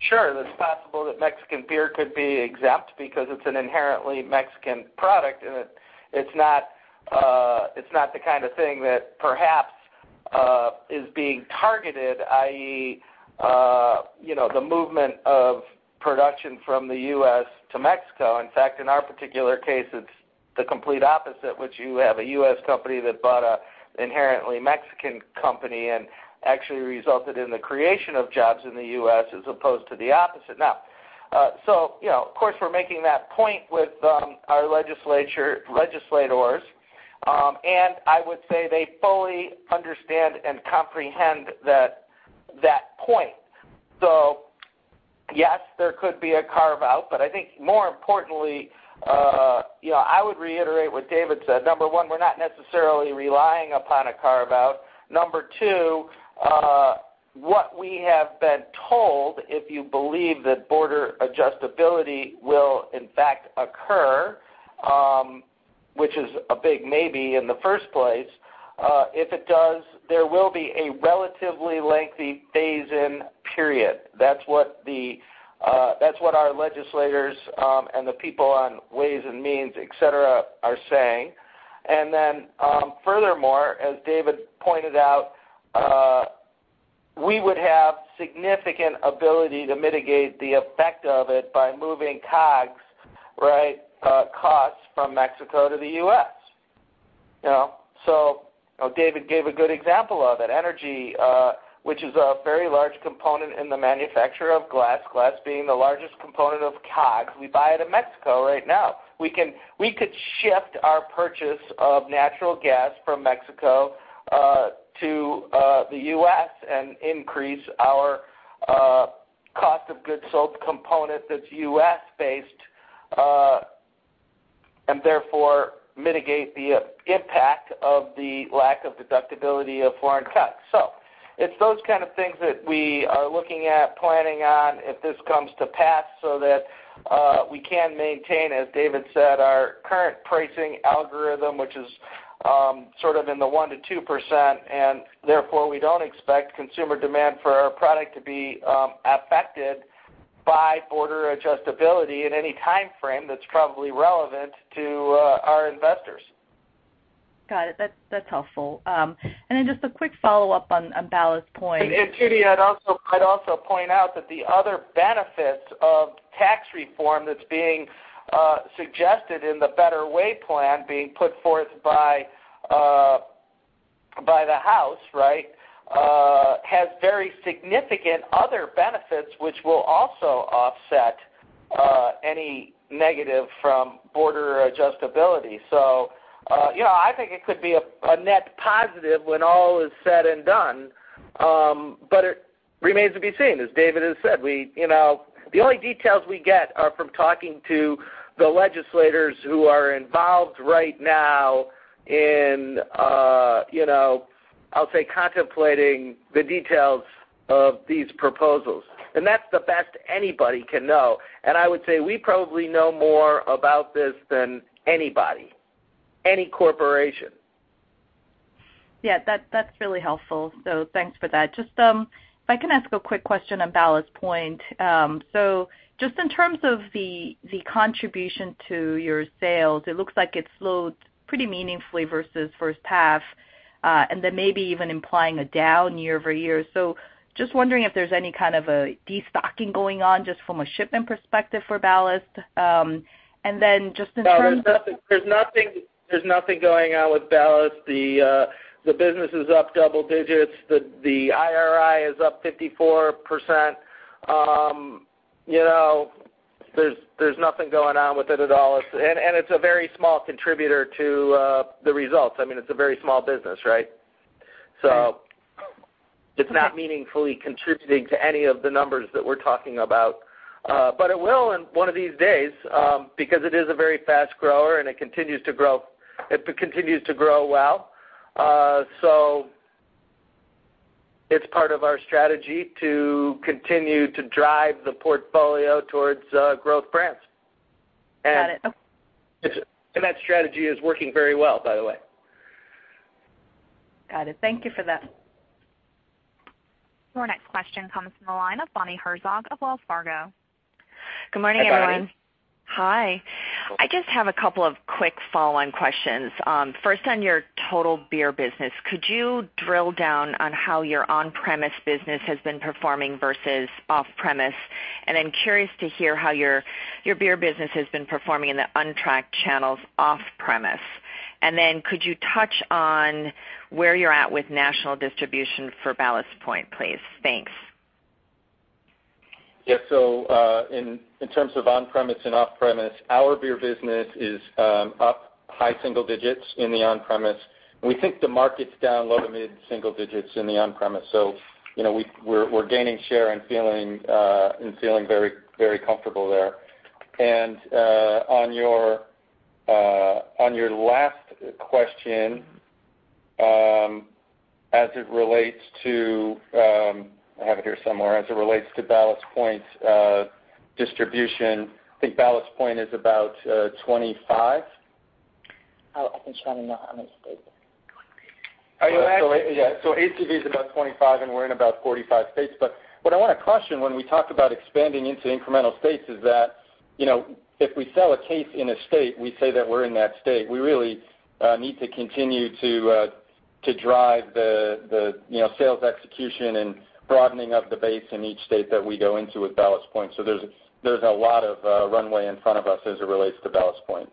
Sure. It's possible that Mexican beer could be exempt because it's an inherently Mexican product, and it's not the kind of thing that perhaps is being targeted, i.e., the movement of production from the U.S. to Mexico. In fact, in our particular case, it's the complete opposite, which you have a U.S. company that bought an inherently Mexican company and actually resulted in the creation of jobs in the U.S. as opposed to the opposite. Of course, we're making that point with our legislators. I would say they fully understand and comprehend that point. Yes, there could be a carve-out, but I think more importantly, I would reiterate what David said. Number one, we're not necessarily relying upon a carve-out. Number 2, what we have been told, if you believe that border adjustability will in fact occur, which is a big maybe in the first place, if it does, there will be a relatively lengthy phase-in period. That's what our legislators, and the people on Ways and Means, et cetera, are saying. Furthermore, as David pointed out, we would have significant ability to mitigate the effect of it by moving COGS, costs from Mexico to the U.S. David gave a good example of it, energy, which is a very large component in the manufacture of glass being the largest component of COGS. We buy it in Mexico right now. We could shift our purchase of natural gas from Mexico to the U.S. and increase our cost of goods sold component that's U.S.-based, and therefore mitigate the impact of the lack of deductibility of foreign COGS. It's those kind of things that we are looking at planning on if this comes to pass so that we can maintain, as David said, our current pricing algorithm, which is sort of in the 1%-2%, Therefore we don't expect consumer demand for our product to be affected by border adjustability in any timeframe that's probably relevant to our investors. Got it. That's helpful. Just a quick follow-up on Ballast Point. Judy, I'd also point out that the other benefits of tax reform that's being suggested in the Better Way plan being put forth by the House has very significant other benefits, which will also offset any negative from border adjustability. I think it could be a net positive when all is said and done, but it remains to be seen, as David has said. The only details we get are from talking to the legislators who are involved right now in, I'll say, contemplating the details of these proposals. That's the best anybody can know. I would say we probably know more about this than anybody, any corporation. Yeah, that's really helpful. Thanks for that. Just if I can ask a quick question on Ballast Point. Just in terms of the contribution to your sales, it looks like it slowed pretty meaningfully versus first half, and then maybe even implying a down year-over-year. Just wondering if there's any kind of a destocking going on just from a shipment perspective for Ballast. Just in terms. No, there's nothing going on with Ballast. The business is up double digits. The IRI is up 54%. There's nothing going on with it at all. It's a very small contributor to the results. It's a very small business. It's not meaningfully contributing to any of the numbers that we're talking about. It will one of these days, because it is a very fast grower, and it continues to grow well. It's part of our strategy to continue to drive the portfolio towards growth brands. Got it. That strategy is working very well, by the way. Got it. Thank you for that. Your next question comes from the line of Bonnie Herzog of Wells Fargo. Hey, Bonnie. Good morning, everyone. Hi. I just have a couple of quick follow-on questions. First, on your total beer business, could you drill down on how your on-premise business has been performing versus off-premise? I'm curious to hear how your beer business has been performing in the untracked channels off-premise. Could you touch on where you're at with national distribution for Ballast Point, please? Thanks. Yes. In terms of on-premise and off-premise, our beer business is up high single digits in the on-premise, we think the market's down low to mid single digits in the on-premise. We're gaining share and feeling very comfortable there. On your last question, I have it here somewhere, as it relates to Ballast Point distribution, I think Ballast Point is about 25. I think Sean would know how many states. Are you asking- ACV is about 25, and we're in about 45 states. What I want to caution when we talk about expanding into incremental states is that, if we sell a case in a state, we say that we're in that state. We really need to continue to drive the sales execution and broadening of the base in each state that we go into with Ballast Point. There's a lot of runway in front of us as it relates to Ballast Point.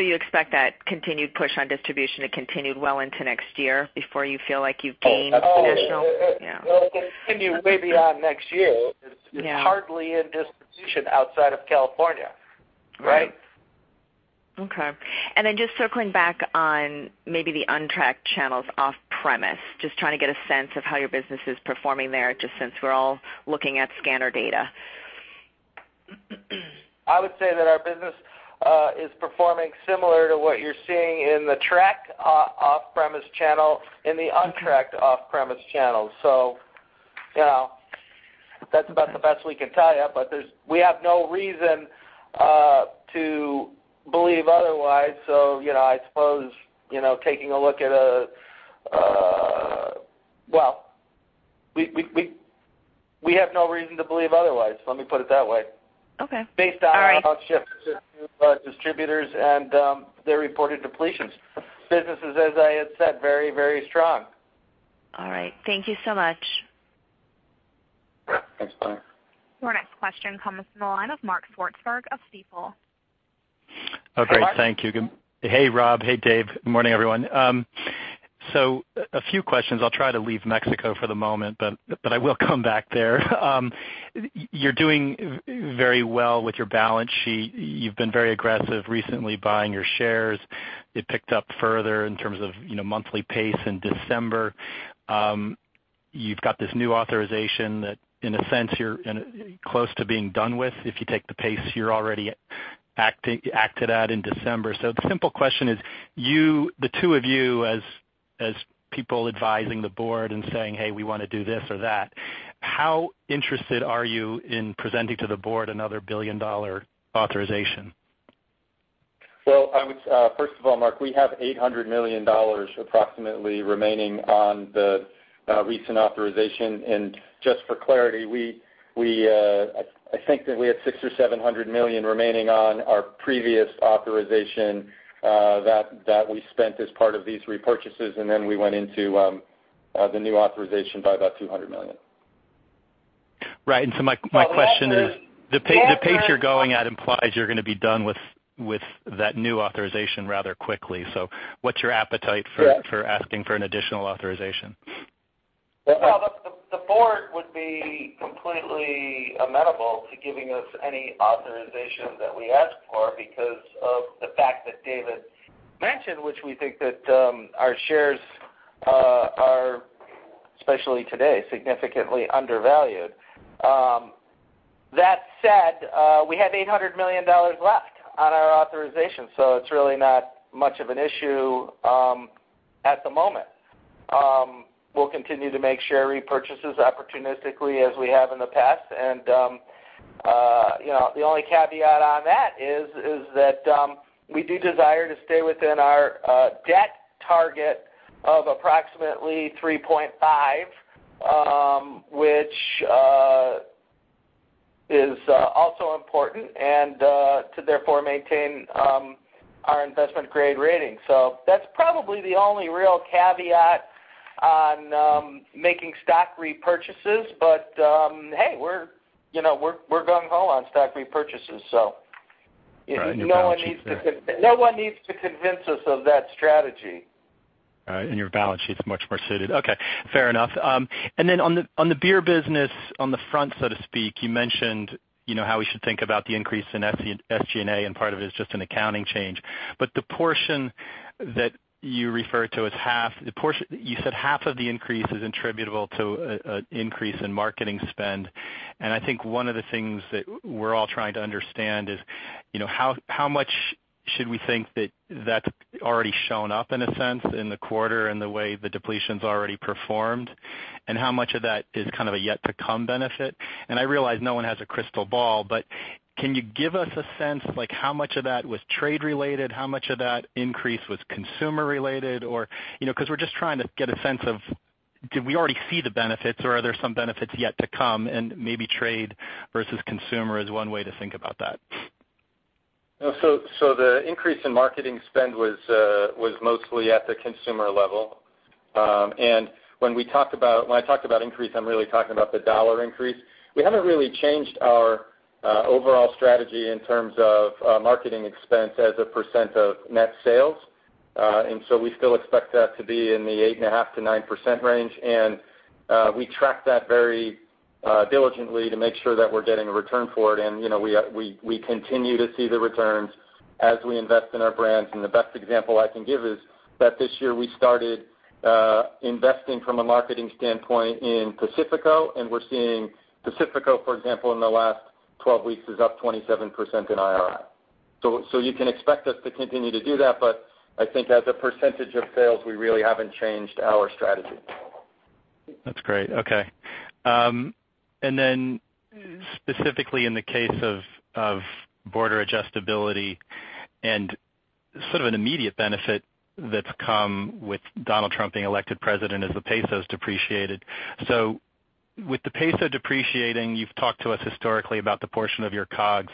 You expect that continued push on distribution to continue well into next year before you feel like you've gained national- Oh, it will continue way beyond next year. Yeah. It's hardly in distribution outside of California. Right. Okay. Just circling back on maybe the untracked channels off-premise, just trying to get a sense of how your business is performing there, just since we're all looking at scanner data. I would say that our business is performing similar to what you're seeing in the tracked off-premise channel, in the untracked off-premise channel. That's about the best we can tell you, but we have no reason to believe otherwise. We have no reason to believe otherwise, let me put it that way. Okay. All right. Based on our shift to distributors and their reported depletions, business is, as I had said, very strong. All right. Thank you so much. Thanks, Bonnie. Your next question comes from the line of Mark Swartzberg of Stifel. Hey, Mark. Okay. Thank you. Hey, Rob. Hey, Dave. Good morning, everyone. A few questions. I'll try to leave Mexico for the moment, but I will come back there. You're doing very well with your balance sheet. You've been very aggressive recently buying your shares. It picked up further in terms of monthly pace in December. You've got this new authorization that, in a sense, you're close to being done with. If you take the pace you already acted at in December. The simple question is, the two of you as people advising the board and saying, "Hey, we want to do this or that," how interested are you in presenting to the board another $1 billion authorization? Well, first of all, Mark, we have $800 million approximately remaining on the recent authorization. Just for clarity, I think that we had $600 million or $700 million remaining on our previous authorization, that we spent as part of these repurchases, then we went into the new authorization by about $200 million. Right. My question is, the pace you're going at implies you're going to be done with that new authorization rather quickly. What's your appetite for asking for an additional authorization? Well, the board would be completely amenable to giving us any authorization that we ask for because of the fact that David mentioned, which we think that our shares are, especially today, significantly undervalued. That said, we have $800 million left on our authorization, so it's really not much of an issue at the moment. We'll continue to make share repurchases opportunistically as we have in the past. The only caveat on that is that we do desire to stay within our debt target of approximately 3.5, which is also important, and to therefore maintain our investment-grade rating. That's probably the only real caveat on making stock repurchases. Hey, we're gung-ho on stock repurchases. No one needs to convince us of that strategy. Your balance sheet's much more suited. Okay, fair enough. On the beer business, on the front, so to speak, you mentioned how we should think about the increase in SG&A, and part of it is just an accounting change. The portion that you refer to as half, you said half of the increase is attributable to increase in marketing spend. I think one of the things that we're all trying to understand is how much should we think that that's already shown up in a sense in the quarter and the way the depletions already performed, and how much of that is kind of a yet to come benefit? I realize no one has a crystal ball, but can you give us a sense, like how much of that was trade-related, how much of that increase was consumer-related or, because we're just trying to get a sense of did we already see the benefits or are there some benefits yet to come? Maybe trade versus consumer is one way to think about that. The increase in marketing spend was mostly at the consumer level. When I talk about increase, I'm really talking about the dollar increase. We haven't really changed our overall strategy in terms of marketing expense as a percent of net sales. We still expect that to be in the 8.5%-9% range. We track that very diligently to make sure that we're getting a return for it, and we continue to see the returns as we invest in our brands. The best example I can give is that this year, we started investing from a marketing standpoint in Pacifico, and we're seeing Pacifico, for example, in the last 12 weeks is up 27% in IRI. You can expect us to continue to do that, but I think as a percentage of sales, we really haven't changed our strategy. That's great. Okay. Specifically in the case of border adjustability and sort of an immediate benefit that's come with Donald Trump being elected president as the peso's depreciated. With the peso depreciating, you've talked to us historically about the portion of your COGS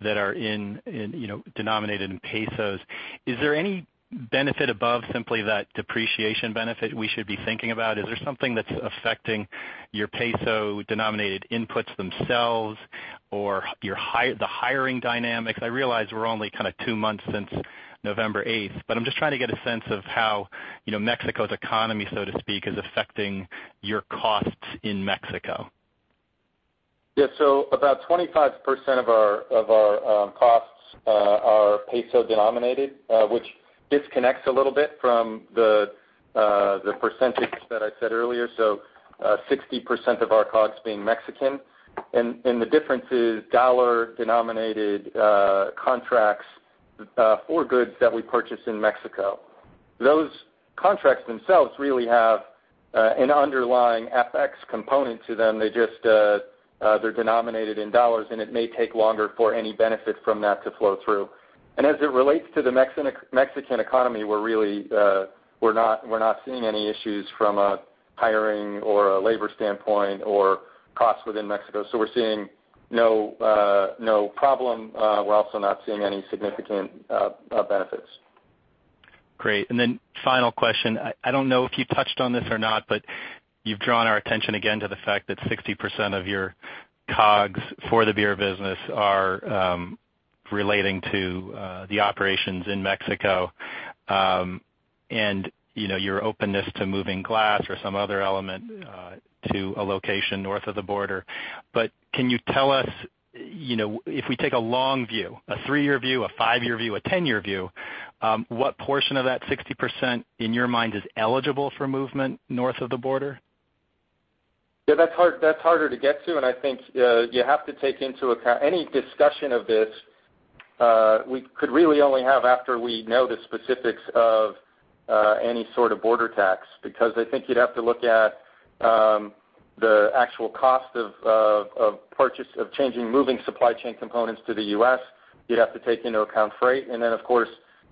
that are denominated in pesos. Is there any benefit above simply that depreciation benefit we should be thinking about? Is there something that's affecting your peso-denominated inputs themselves or the hiring dynamics? I realize we're only kind of two months since November 8th, but I'm just trying to get a sense of how Mexico's economy, so to speak, is affecting your costs in Mexico. About 25% of our costs are peso-denominated, which disconnects a little bit from the percentage that I said earlier, 60% of our COGS being Mexican. The difference is dollar-denominated contracts for goods that we purchase in Mexico. Those contracts themselves really have an underlying FX component to them, they are denominated in dollars, and it may take longer for any benefit from that to flow through. As it relates to the Mexican economy, we are not seeing any issues from a hiring or a labor standpoint or costs within Mexico. We are seeing no problem. We are also not seeing any significant benefits. Great. Then final question. I do not know if you touched on this or not, you have drawn our attention again to the fact that 60% of your COGS for the beer business are relating to the operations in Mexico, and your openness to moving glass or some other element to a location north of the border. Can you tell us, if we take a long view, a three-year view, a five-year view, a 10-year view, what portion of that 60%, in your mind, is eligible for movement north of the border? That is harder to get to, I think any discussion of this, we could really only have after we know the specifics of any sort of border tax, because I think you would have to look at the actual cost of changing, moving supply chain components to the U.S. You would have to take into account freight, then of course,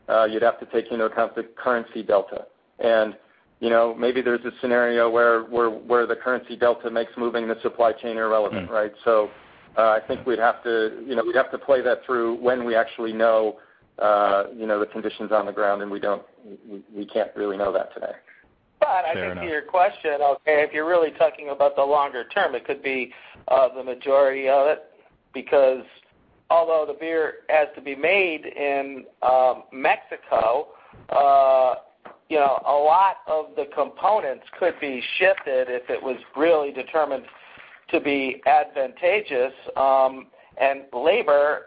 you would have to take into account the currency delta. Maybe there is a scenario where the currency delta makes moving the supply chain irrelevant, right? I think we would have to play that through when we actually know the conditions on the ground, and we cannot really know that today. I think to your question, okay, if you are really talking about the longer term, it could be the majority of it, because although the beer has to be made in Mexico, a lot of the components could be shifted if it was really determined to be advantageous. Labor,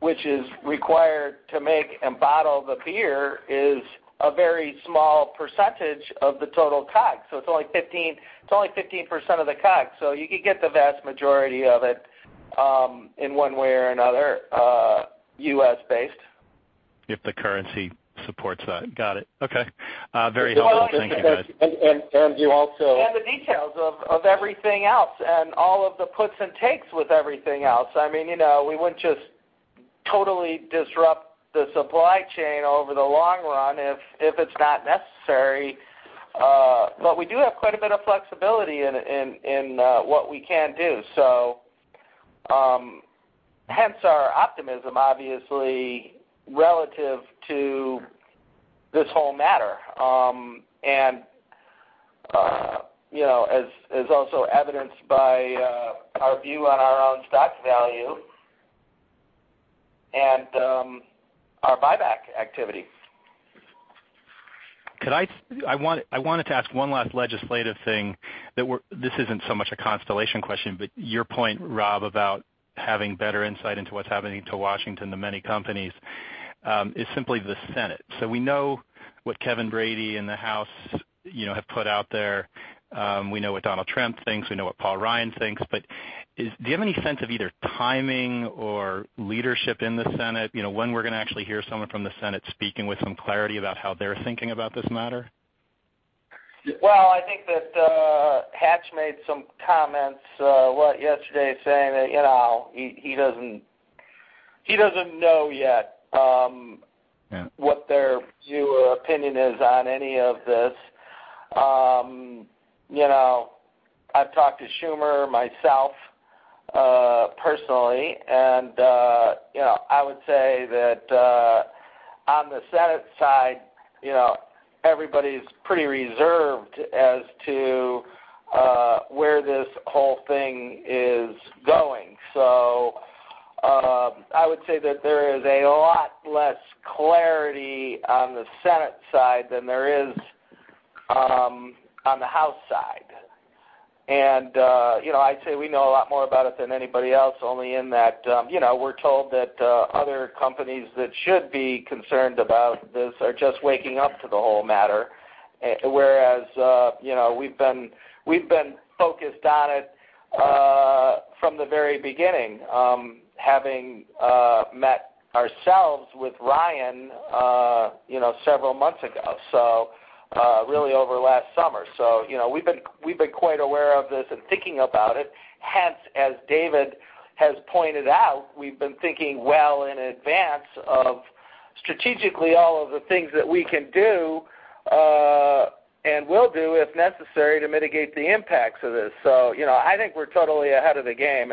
which is required to make and bottle the beer, is a very small percentage of the total COGS. It is only 15% of the COGS. You could get the vast majority of it, in one way or another, U.S.-based. If the currency supports that. Got it. Okay. Very helpful. Thank you, guys. You also- The details of everything else and all of the puts and takes with everything else. We wouldn't just totally disrupt the supply chain over the long run if it's not necessary. We do have quite a bit of flexibility in what we can do, so hence our optimism, obviously, relative to this whole matter. As also evidenced by our view on our own stock value and our buyback activity. I wanted to ask one last legislative thing. This isn't so much a Constellation question, but your point, Rob, about having better insight into what's happening to Washington than many companies, is simply the Senate. We know what Kevin Brady and the House have put out there. We know what Donald Trump thinks. We know what Paul Ryan thinks. Do you have any sense of either timing or leadership in the Senate? When we're going to actually hear someone from the Senate speaking with some clarity about how they're thinking about this matter? Well, I think that Hatch made some comments yesterday saying that he doesn't know yet. What their view or opinion is on any of this. I've talked to Schumer myself, personally, and I would say that on the Senate side, everybody's pretty reserved as to where this whole thing is going. I would say that there is a lot less clarity on the Senate side than there is on the House side. I'd say we know a lot more about it than anybody else, only in that we're told that other companies that should be concerned about this are just waking up to the whole matter, whereas we've been focused on it from the very beginning, having met ourselves with Ryan several months ago. Really over last summer. We've been quite aware of this and thinking about it, hence, as David has pointed out, we've been thinking well in advance of strategically all of the things that we can do and will do, if necessary, to mitigate the impacts of this. I think we're totally ahead of the game,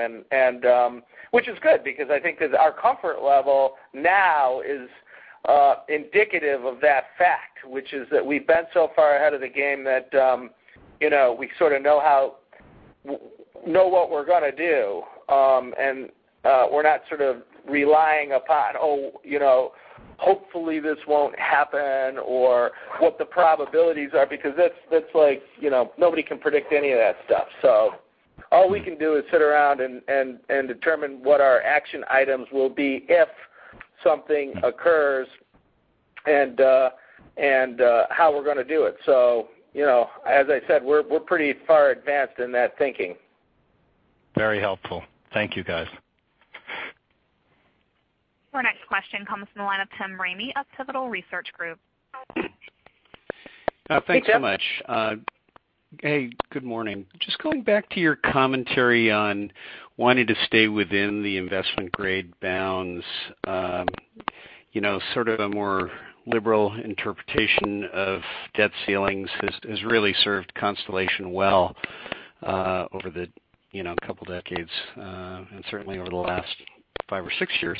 which is good because I think that our comfort level now is indicative of that fact, which is that we've been so far ahead of the game that we sort of know what we're gonna do. We're not sort of relying upon, oh, hopefully this won't happen or what the probabilities are, because that's like nobody can predict any of that stuff. All we can do is sit around and determine what our action items will be if something occurs and how we're gonna do it. As I said, we're pretty far advanced in that thinking. Very helpful. Thank you, guys. Our next question comes from the line of Tim Ramey of Pivotal Research Group. Thanks so much. Hey, Tim. Hey, good morning. Just going back to your commentary on wanting to stay within the investment grade bounds, sort of a more liberal interpretation of debt ceilings has really served Constellation well, over the couple decades, and certainly over the last five or six years.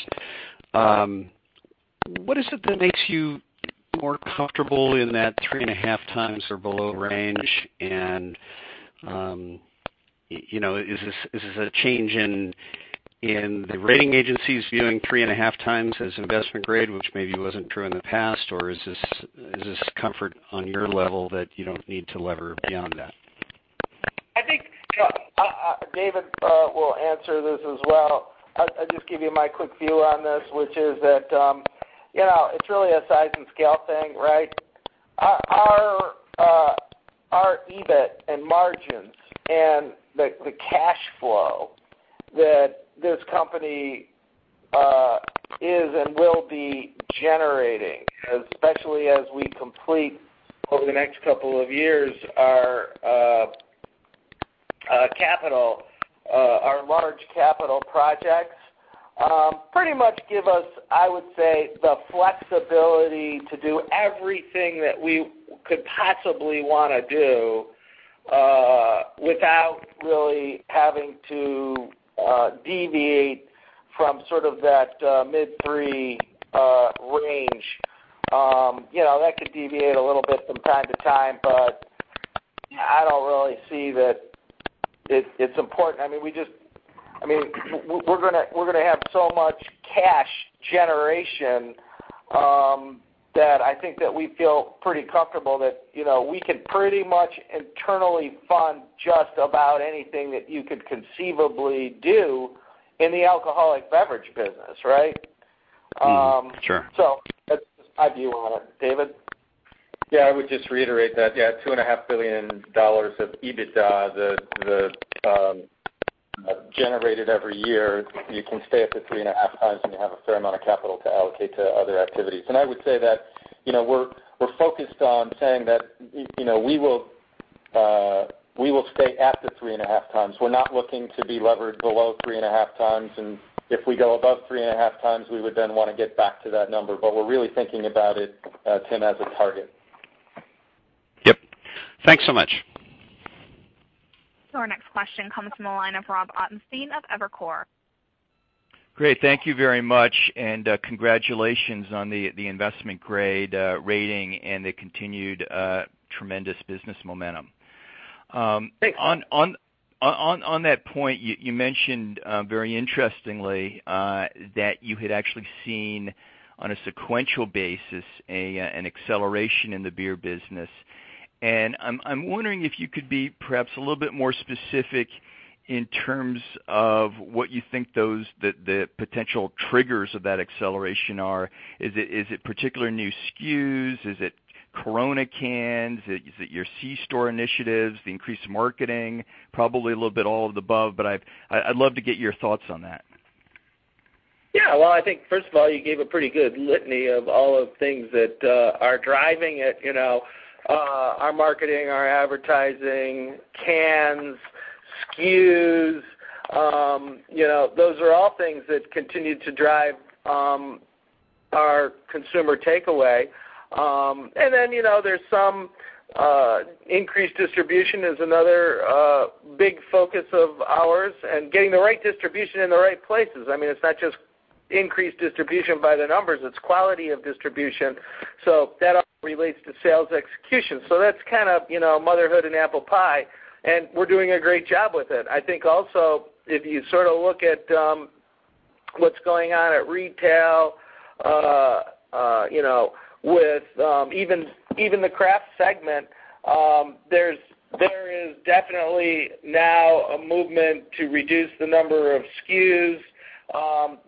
What is it that makes you more comfortable in that 3.5 times or below range, and is this a change in the rating agencies viewing 3.5 times as investment grade, which maybe wasn't true in the past, or is this comfort on your level that you don't need to lever beyond that? I think David will answer this as well. I'll just give you my quick view on this, which is that it's really a size and scale thing, right? Our EBIT and margins and the cash flow that this company is and will be generating, especially as we complete over the next couple of years our large capital projects, pretty much give us, I would say, the flexibility to do everything that we could possibly want to do, without really having to deviate from sort of that mid-three range. That could deviate a little bit from time to time, but I don't really see that it's important. We're gonna have so much cash generation, that I think that we feel pretty comfortable that we can pretty much internally fund just about anything that you could conceivably do in the alcoholic beverage business, right? Sure. That's just my view on it. David? I would just reiterate that. $2.5 billion of EBITDA generated every year, you can stay up to 3.5 times and you have a fair amount of capital to allocate to other activities. I would say that we're focused on saying that we will stay at the 3.5 times. We're not looking to be levered below 3.5 times, and if we go above 3.5 times, we would then want to get back to that number. We're really thinking about it, Tim, as a target. Yep. Thanks so much. Our next question comes from the line of Rob Ottenstein of Evercore. Great. Thank you very much, congratulations on the investment grade rating and the continued tremendous business momentum. On that point, you mentioned, very interestingly, that you had actually seen, on a sequential basis, an acceleration in the beer business. I'm wondering if you could be perhaps a little bit more specific in terms of what you think the potential triggers of that acceleration are. Is it particular new SKUs? Is it Corona cans? Is it your C-Store initiatives, the increased marketing? Probably a little bit all of the above, but I'd love to get your thoughts on that. Yeah. Well, I think, first of all, you gave a pretty good litany of all of the things that are driving it. Our marketing, our advertising, cans, SKUs, those are all things that continue to drive our consumer takeaway. Then, there's some increased distribution, is another big focus of ours, getting the right distribution in the right places. It's not just increased distribution by the numbers, it's quality of distribution. That all relates to sales execution. That's kind of motherhood and apple pie, we're doing a great job with it. I think also, if you sort of look at what's going on at retail, with even the craft segment, there is definitely now a movement to reduce the number of SKUs.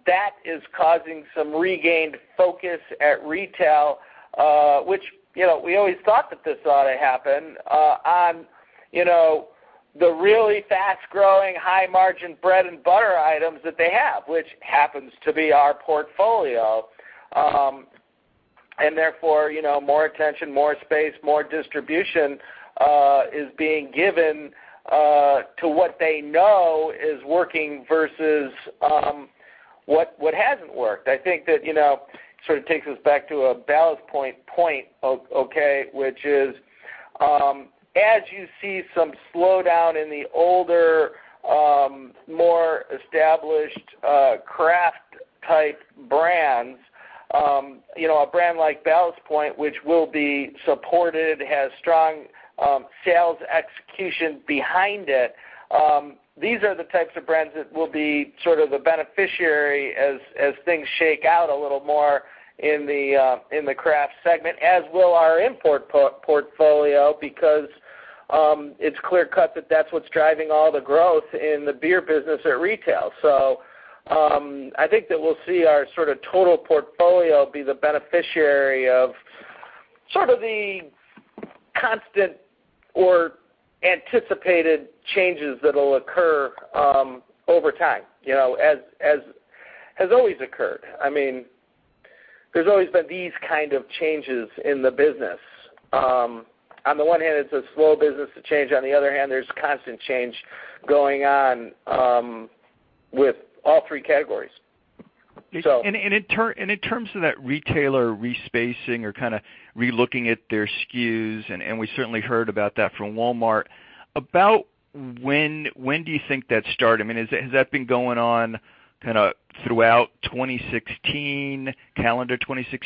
That is causing some regained focus at retail, which we always thought that this ought to happen, on the really fast-growing, high-margin bread-and-butter items that they have, which happens to be our portfolio. Therefore, more attention, more space, more distribution is being given to what they know is working versus what hasn't worked. I think that sort of takes us back to a Ballast Point point, okay, which is, as you see some slowdown in the older, more established craft-type brands, a brand like Ballast Point, which will be supported, has strong sales execution behind it. These are the types of brands that will be sort of the beneficiary as things shake out a little more in the craft segment, as will our import portfolio, because it's clear-cut that that's what's driving all the growth in the beer business at retail. I think that we'll see our sort of total portfolio be the beneficiary of sort of the constant or anticipated changes that'll occur over time, as has always occurred. There's always been these kind of changes in the business. On the one hand, it's a slow business to change, on the other hand, there's constant change going on with all three categories. In terms of that retailer respacing or kind of re-looking at their SKUs, and we certainly heard about that from Walmart, about when do you think that started? Has that been going on kind of throughout calendar 2016,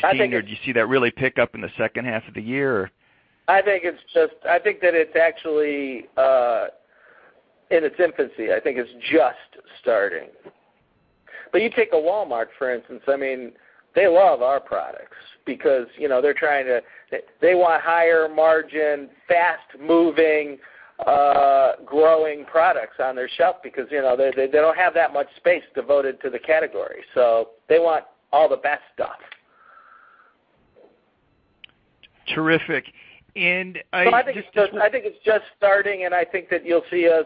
or do you see that really pick up in the second half of the year? I think that it's actually in its infancy. I think it's just starting. You take a Walmart, for instance, they love our products because they want higher margin, fast-moving, growing products on their shelf because they don't have that much space devoted to the category. They want all the best stuff. Terrific. I think it's just starting. I think that you'll see us.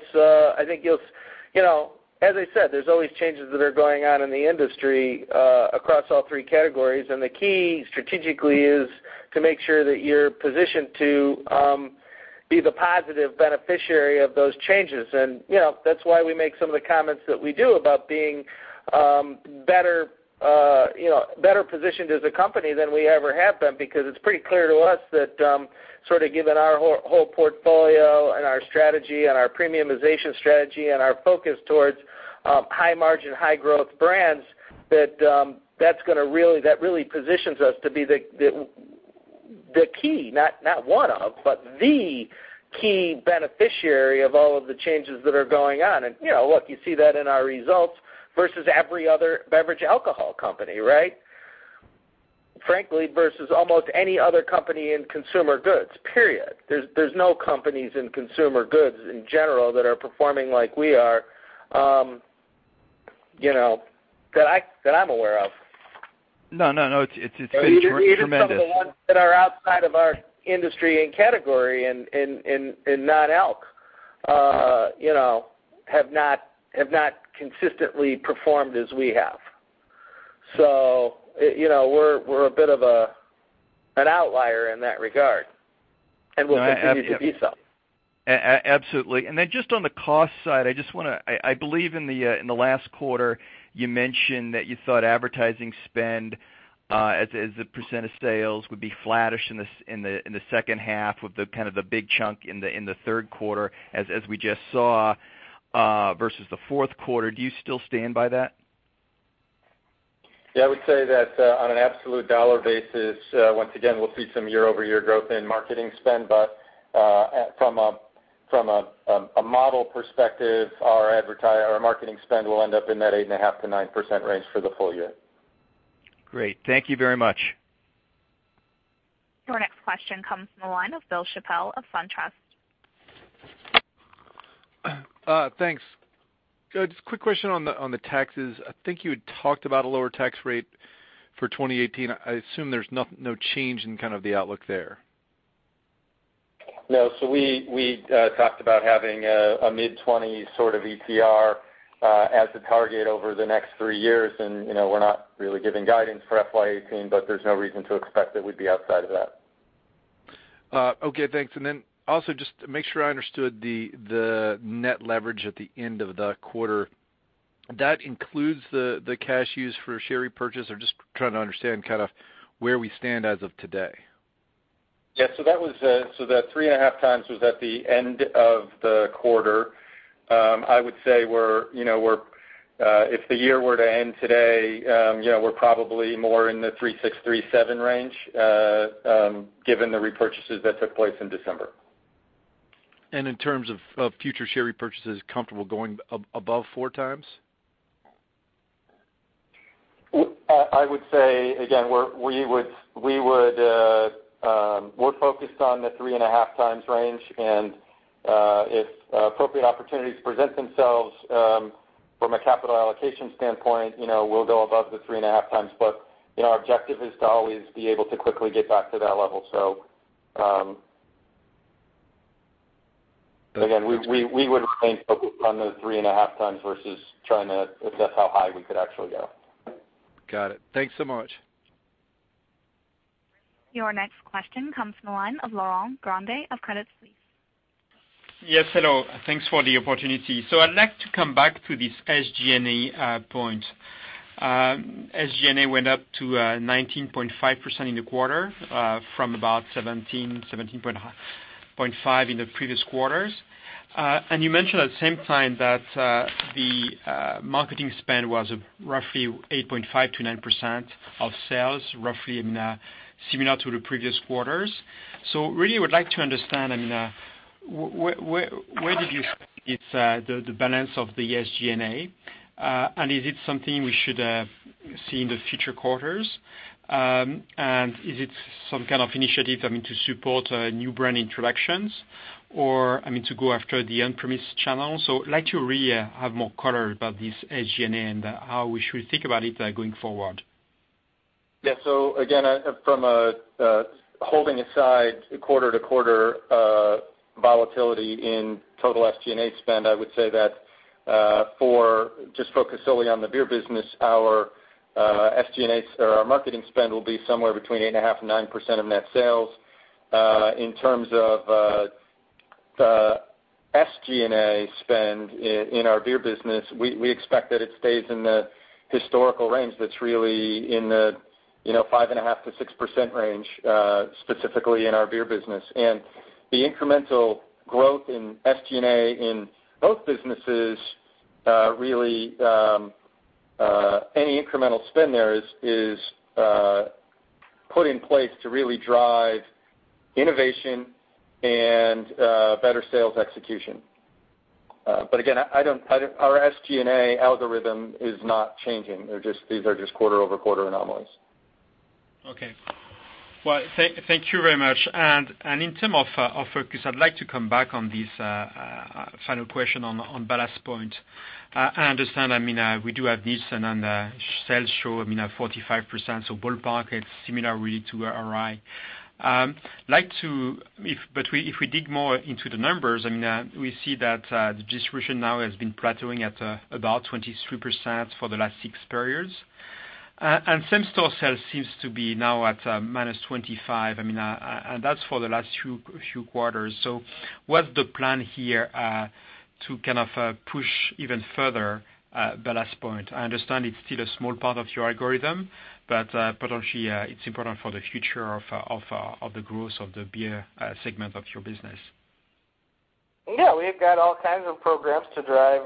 As I said, there's always changes that are going on in the industry across all three categories. The key strategically is to make sure that you're positioned to be the positive beneficiary of those changes. That's why we make some of the comments that we do about being better positioned as a company than we ever have been, because it's pretty clear to us that sort of given our whole portfolio and our strategy and our premiumization strategy and our focus towards high margin, high growth brands, that really positions us to be the key, not one of, but the key beneficiary of all of the changes that are going on. Look, you see that in our results versus every other beverage alcohol company, right? Frankly, versus almost any other company in consumer goods, period. There's no companies in consumer goods in general that are performing like we are, that I'm aware of. No, it's been tremendous. Even some of the ones that are outside of our industry and category in not alc, have not consistently performed as we have. We're a bit of an outlier in that regard, and we'll continue to be so. Absolutely. Just on the cost side, I believe in the last quarter, you mentioned that you thought advertising spend as a % of sales would be flattish in the second half with the kind of the big chunk in the third quarter as we just saw, versus the fourth quarter. Do you still stand by that? I would say that on an absolute dollar basis, once again, we'll see some year-over-year growth in marketing spend. From a model perspective, our marketing spend will end up in that 8.5%-9% range for the full year. Great. Thank you very much. Your next question comes from the line of Bill Chappell of SunTrust. Thanks. Just a quick question on the taxes. I think you had talked about a lower tax rate for 2018. I assume there's no change in kind of the outlook there. No. We talked about having a mid-20 sort of ETR as the target over the next three years, and we're not really giving guidance for FY 2018, but there's no reason to expect that we'd be outside of that. Okay, thanks. Also just to make sure I understood the net leverage at the end of the quarter. That includes the cash used for share repurchase? I'm just trying to understand kind of where we stand as of today. Yeah. That 3.5 times was at the end of the quarter. I would say if the year were to end today, we're probably more in the 3.6, 3.7 range, given the repurchases that took place in December. In terms of future share repurchases, comfortable going above four times? I would say, again, we're focused on the 3.5 times range, if appropriate opportunities present themselves from a capital allocation standpoint, we'll go above the 3.5 times. Our objective is to always be able to quickly get back to that level. Again, we would remain focused on the 3.5 times versus trying to assess how high we could actually go. Got it. Thanks so much. Your next question comes from the line of Laurent Grandet of Credit Suisse. Yes, hello. Thanks for the opportunity. I'd like to come back to this SG&A point. SG&A went up to 19.5% in the quarter from about 17.5% in the previous quarters. You mentioned at the same time that the marketing spend was roughly 8.5%-9% of sales, roughly similar to the previous quarters. Really would like to understand, where did you spend the balance of the SG&A? Is it something we should see in the future quarters? Is it some kind of initiative to support new brand introductions or to go after the on-premise channel? I'd like to really have more color about this SG&A and how we should think about it going forward. Again, from a holding aside quarter-to-quarter volatility in total SG&A spend, I would say that for just focusing solely on the beer business, our marketing spend will be somewhere between 8.5%-9% of net sales. In terms of the SG&A spend in our beer business, we expect that it stays in the historical range that's really in the 5.5%-6% range, specifically in our beer business. The incremental growth in SG&A in both businesses, really, any incremental spend there is put in place to really drive innovation and better sales execution. Again, our SG&A algorithm is not changing. These are just quarter-over-quarter anomalies. Okay. Well, thank you very much. In term of focus, I'd like to come back on this final question on Ballast Point. I understand, we do have Nielsen on the sell show, 45%, so ballpark, it's similar really to IRI. If we dig more into the numbers, we see that the distribution now has been plateauing at about 23% for the last six periods. Same-store sales seems to be now at -25%, and that's for the last few quarters. What's the plan here to kind of push even further Ballast Point? I understand it's still a small part of your algorithm, but potentially, it's important for the future of the growth of the beer segment of your business. Yeah, we've got all kinds of programs to drive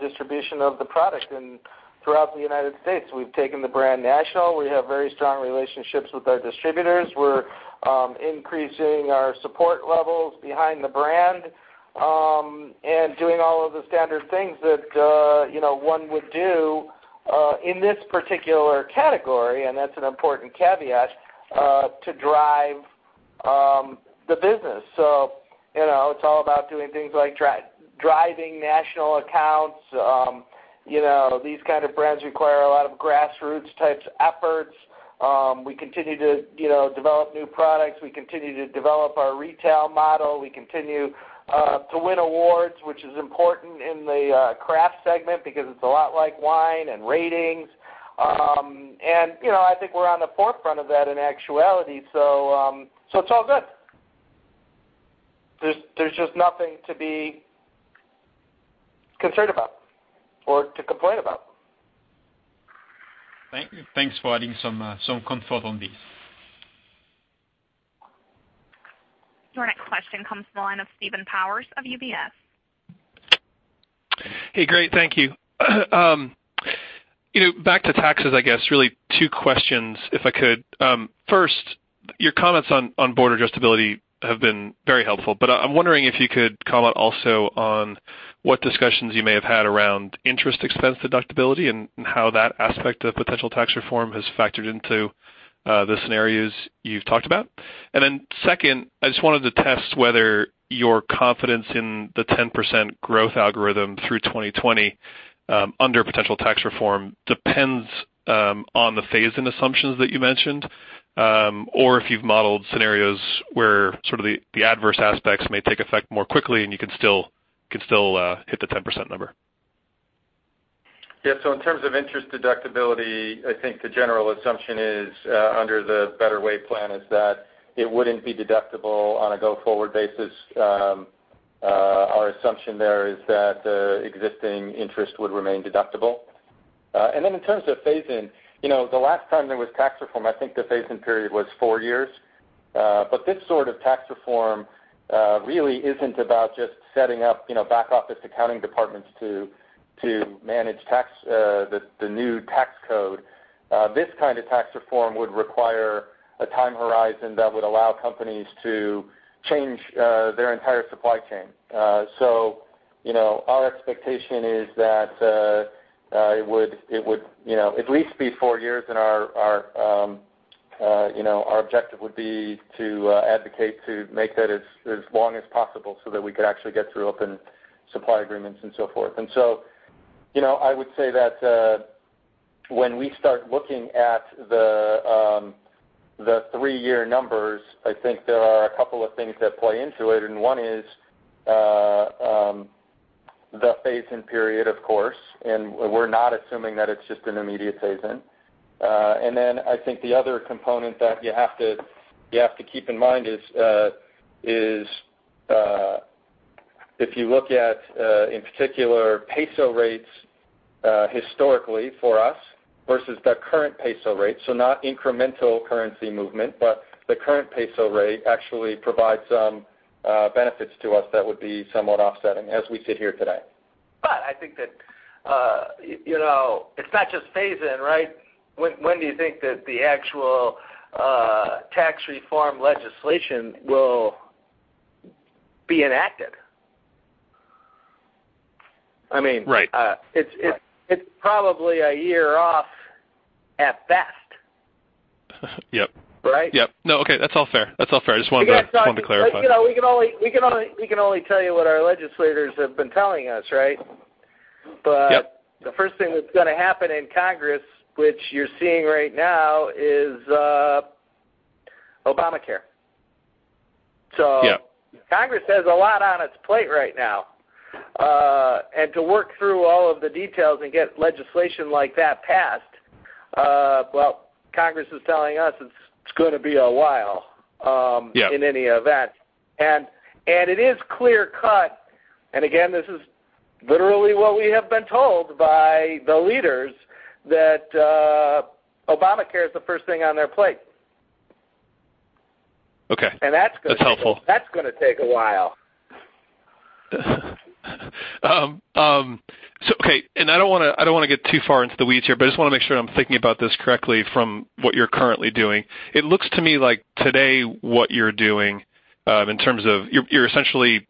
distribution of the product. Throughout the U.S., we've taken the brand national. We have very strong relationships with our distributors. We're increasing our support levels behind the brand, and doing all of the standard things that one would do in this particular category, and that's an important caveat, to drive the business. It's all about doing things like driving national accounts. These kind of brands require a lot of grassroots types efforts. We continue to develop new products. We continue to develop our retail model. We continue to win awards, which is important in the craft segment because it's a lot like wine and ratings. I think we're on the forefront of that in actuality. It's all good. There's just nothing to be concerned about or to complain about. Thank you. Thanks for adding some comfort on this. Your next question comes from the line of Steven Powers of UBS. Hey, great. Thank you. Back to taxes, I guess, really two questions if I could. First, your comments on border adjustability have been very helpful. I'm wondering if you could comment also on what discussions you may have had around interest expense deductibility and how that aspect of potential tax reform has factored into the scenarios you've talked about. Second, I just wanted to test whether your confidence in the 10% growth algorithm through 2020, under potential tax reform depends on the phase-in assumptions that you mentioned, or if you've modeled scenarios where sort of the adverse aspects may take effect more quickly and you could still hit the 10% number. Yeah. In terms of interest deductibility, I think the general assumption is, under the Better Way plan, is that it wouldn't be deductible on a go-forward basis. Our assumption there is that existing interest would remain deductible. In terms of phase-in, the last time there was tax reform, I think the phase-in period was four years. This sort of tax reform really isn't about just setting up back office accounting departments to manage the new tax code. This kind of tax reform would require a time horizon that would allow companies to change their entire supply chain. Our expectation is that it would at least be four years and our objective would be to advocate to make that as long as possible so that we could actually get through open supply agreements and so forth. I would say that when we start looking at the three-year numbers, I think there are a couple of things that play into it, and one is the phase-in period, of course, and we're not assuming that it's just an immediate phase-in. I think the other component that you have to keep in mind is, if you look at, in particular, peso rates, historically for us versus the current peso rate, not incremental currency movement, but the current peso rate actually provides some benefits to us that would be somewhat offsetting as we sit here today. I think that it's not just phase-in, right? When do you think that the actual tax reform legislation will be enacted? I mean. Right It's probably a year off at best. Yep. Right? Yep. No, okay, that's all fair. I just wanted to clarify. We can only tell you what our legislators have been telling us, right? Yep. The first thing that's gonna happen in Congress, which you're seeing right now, is Obamacare. Yep. Congress has a lot on its plate right now. To work through all of the details and get legislation like that passed, well, Congress is telling us it's gonna be a while. Yeah It is clear cut, and again, this is literally what we have been told by the leaders that Obamacare is the first thing on their plate. Okay. That's gonna- That's helpful That's gonna take a while. Okay, I don't want to get too far into the weeds here, but I just want to make sure I'm thinking about this correctly from what you're currently doing. It looks to me like today what you're doing, in terms of you're essentially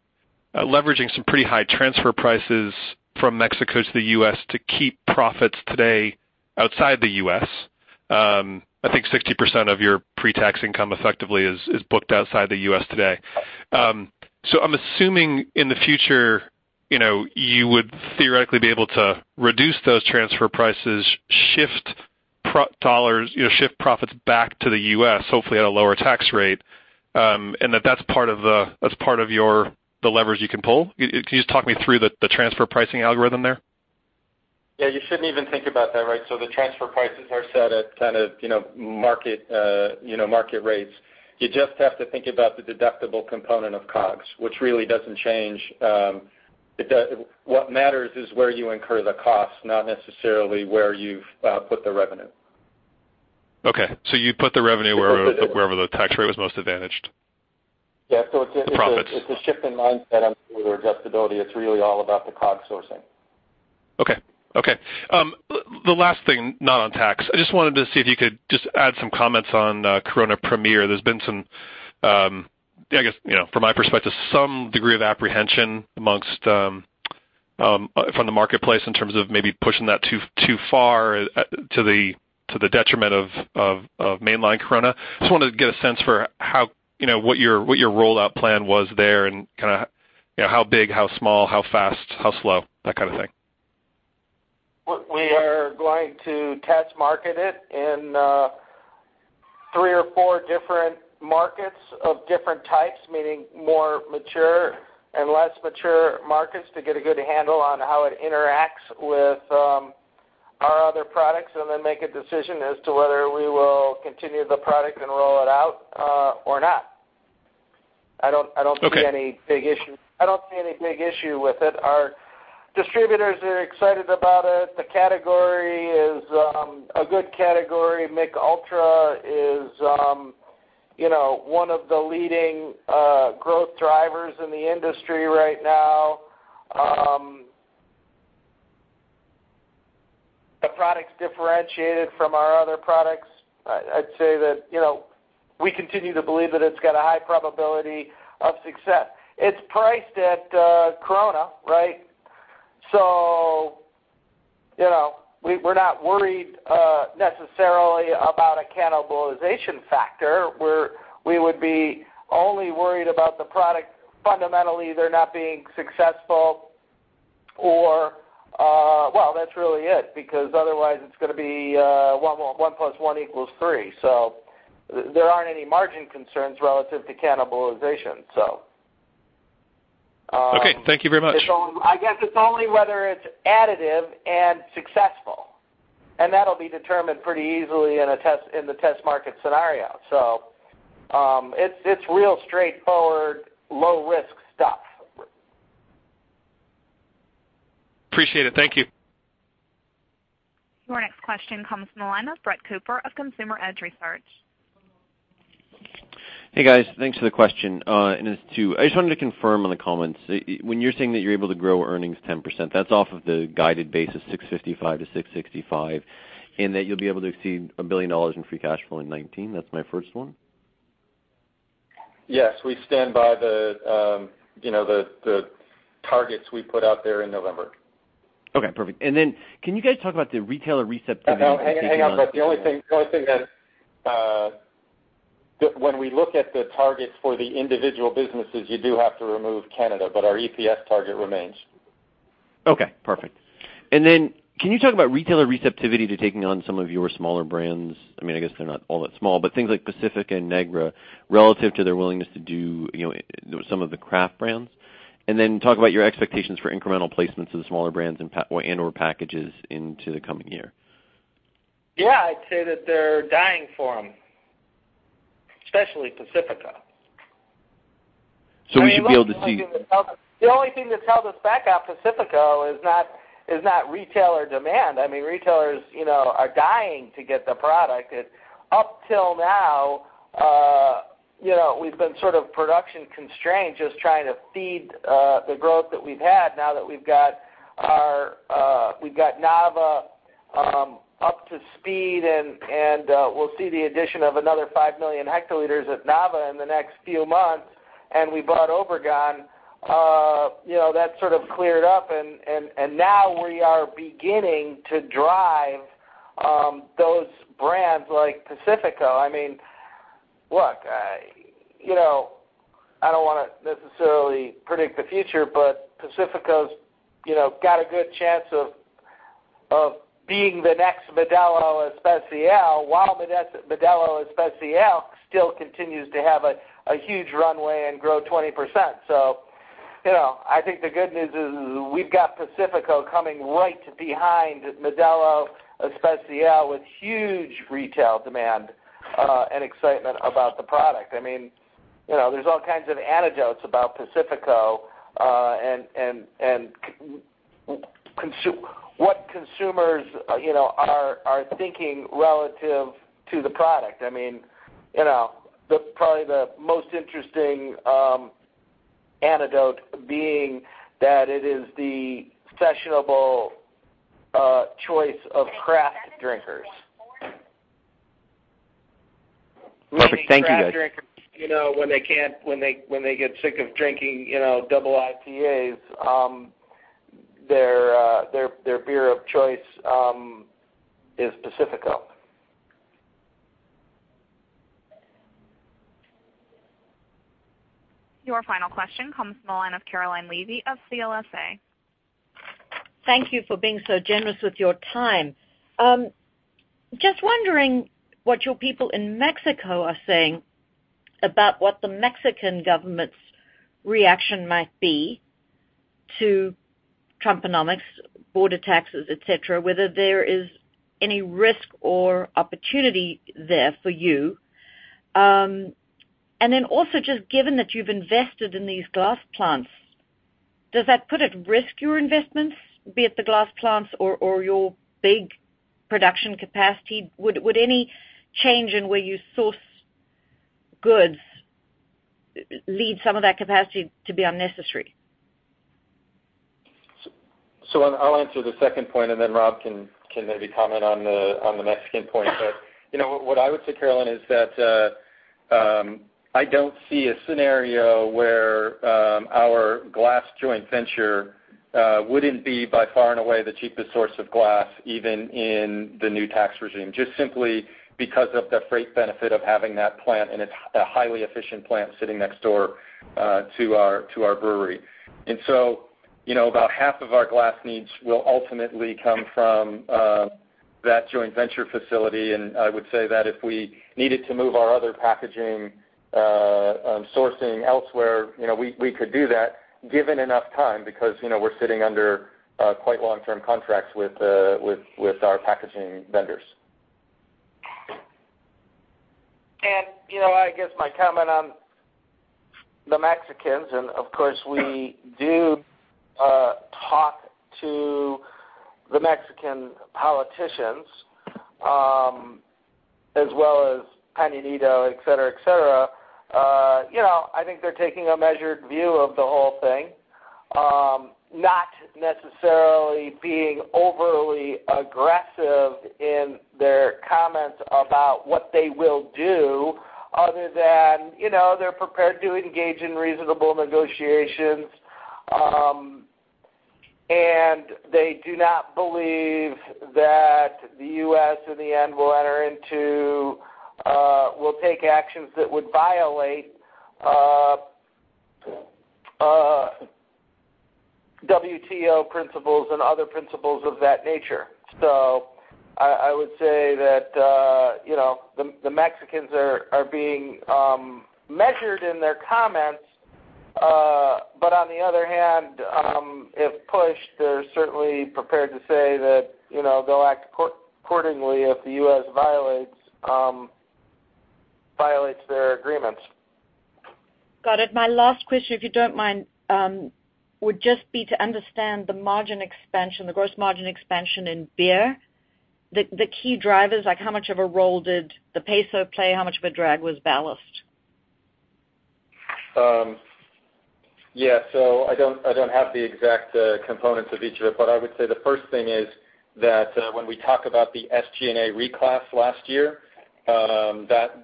leveraging some pretty high transfer prices from Mexico to the U.S. to keep profits today outside the U.S. I think 60% of your pre-tax income effectively is booked outside the U.S. today. I'm assuming in the future, you would theoretically be able to reduce those transfer prices, shift profits back to the U.S., hopefully at a lower tax rate, and that that's part of the leverage you can pull. Can you just talk me through the transfer pricing algorithm there? Yeah, you shouldn't even think about that, right? The transfer prices are set at kind of market rates. You just have to think about the deductible component of COGS, which really doesn't change. What matters is where you incur the cost, not necessarily where you've put the revenue. Okay. You put the revenue wherever the tax rate was most advantaged. Yeah. It's. Profits shift in mindset on border adjustability. It's really all about the COGS sourcing. The last thing, not on tax. I just wanted to see if you could just add some comments on Corona Premier. There's been some, I guess from my perspective, some degree of apprehension from the marketplace in terms of maybe pushing that too far to the detriment of mainline Corona. Just wanted to get a sense for what your rollout plan was there and how big, how small, how fast, how slow, that kind of thing. We are going to test market it in three or four different markets of different types, meaning more mature and less mature markets to get a good handle on how it interacts with our other products, and then make a decision as to whether we will continue the product and roll it out or not. I don't see any big issue with it. Our Distributors are excited about it. The category is a good category. Michelob Ultra is one of the leading growth drivers in the industry right now. The product's differentiated from our other products. I'd say that we continue to believe that it's got a high probability of success. It's priced at Corona, right? We're not worried necessarily about a cannibalization factor, where we would be only worried about the product fundamentally either not being successful. That's really it, because otherwise it's going to be one plus one equals three. There aren't any margin concerns relative to cannibalization, so. Okay. Thank you very much. I guess it's only whether it's additive and successful, and that'll be determined pretty easily in the test market scenario. It's real straightforward, low-risk stuff. Appreciate it. Thank you. Your next question comes from the line of Brett Cooper of Consumer Edge Research. Hey, guys. Thanks for the question. It's two. I just wanted to confirm on the comments, when you're saying that you're able to grow earnings 10%, that's off of the guided base of $6.55-$6.65, and that you'll be able to exceed $1 billion in free cash flow in 2019? That's my first one. Yes, we stand by the targets we put out there in November. Okay, perfect. Can you guys talk about the retailer recept- Hang on, Brett. The only thing that when we look at the targets for the individual businesses, you do have to remove Canada. Our EPS target remains. Okay, perfect. Can you talk about retailer receptivity to taking on some of your smaller brands? I guess they're not all that small, but things like Pacifico and Negra relative to their willingness to do some of the craft brands. Talk about your expectations for incremental placements of the smaller brands and/or packages into the coming year. Yeah, I'd say that they're dying for them, especially Pacifico. Will you be able to see- The only thing that's held us back on Pacifico is not retailer demand. Retailers are dying to get the product. Up till now, we've been sort of production constrained, just trying to feed the growth that we've had now that we've got Nava up to speed, and we'll see the addition of another 5 million hectoliters at Nava in the next few months, and we bought Obregon. That sort of cleared up, and now we are beginning to drive those brands like Pacifico. Look, I don't want to necessarily predict the future, but Pacifico's got a good chance of being the next Modelo Especial, while Modelo Especial still continues to have a huge runway and grow 20%. I think the good news is we've got Pacifico coming right behind Modelo Especial with huge retail demand and excitement about the product. There's all kinds of anecdotes about Pacifico, and what consumers are thinking relative to the product. Probably the most interesting anecdote being that it is the fashionable choice of craft drinkers. Perfect. Thank you, guys. Craft drinkers, when they get sick of drinking double IPAs, their beer of choice is Pacifico. Your final question comes from the line of Caroline Levy of CLSA. Thank you for being so generous with your time. Just wondering what your people in Mexico are saying about what the Mexican government's reaction might be to Trumponomics, border taxes, et cetera, whether there is any risk or opportunity there for you. Just given that you've invested in these glass plants, does that put at risk your investments, be it the glass plants or your big production capacity? Would any change in where you source goods lead some of that capacity to be unnecessary? I'll answer the second point and then Rob can maybe comment on the Mexican point. What I would say, Caroline, is that I don't see a scenario where our glass joint venture wouldn't be by far and away the cheapest source of glass, even in the new tax regime, just simply because of the freight benefit of having that plant, and it's a highly efficient plant sitting next door to our brewery. About half of our glass needs will ultimately come from that joint venture facility, and I would say that if we needed to move our other packaging sourcing elsewhere, we could do that given enough time, because we're sitting under quite long-term contracts with our packaging vendors. I guess my comment on the Mexicans, and of course, we do talk to the Mexican politicians, as well as Peña Nieto, et cetera. I think they're taking a measured view of the whole thing, not necessarily being overly aggressive in their comments about what they will do other than they're prepared to engage in reasonable negotiations. They do not believe that the U.S., in the end, will take actions that would violate WTO principles and other principles of that nature. I would say that the Mexicans are being measured in their comments, but on the other hand, if pushed, they're certainly prepared to say that they'll act accordingly if the U.S. violates their agreements. Got it. My last question, if you don't mind, would just be to understand the margin expansion, the gross margin expansion in beer, the key drivers, like how much of a role did the peso play? How much of a drag was Ballast Point? I don't have the exact components of each of it. I would say the first thing is that when we talk about the SG&A reclass last year, that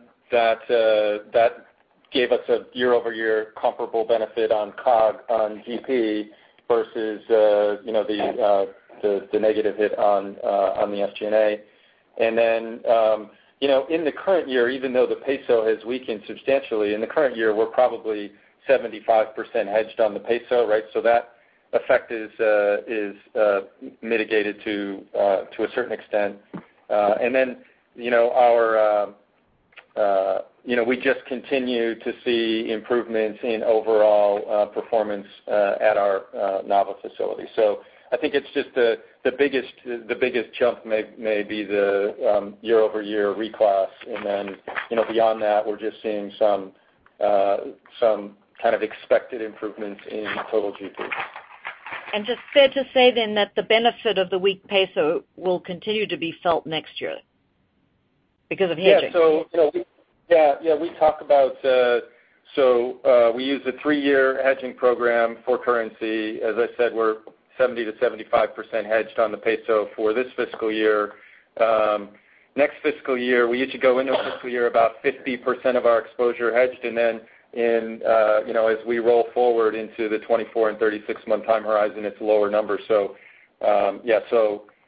gave us a year-over-year comparable benefit on COGS, on GP, versus the negative hit on the SG&A. In the current year, even though the peso has weakened substantially, in the current year, we're probably 75% hedged on the peso, right? That effect is mitigated to a certain extent. We just continue to see improvements in overall performance at our Nava facility. I think it's just the biggest jump may be the year-over-year reclass. Beyond that, we're just seeing some kind of expected improvements in total GP. Just fair to say that the benefit of the weak peso will continue to be felt next year because of hedging. Yeah. We use a three-year hedging program for currency. As I said, we're 70% to 75% hedged on the peso for this fiscal year. Next fiscal year, we usually go into a fiscal year about 50% of our exposure hedged, and then as we roll forward into the 24 and 36-month time horizon, it's lower numbers. Yeah.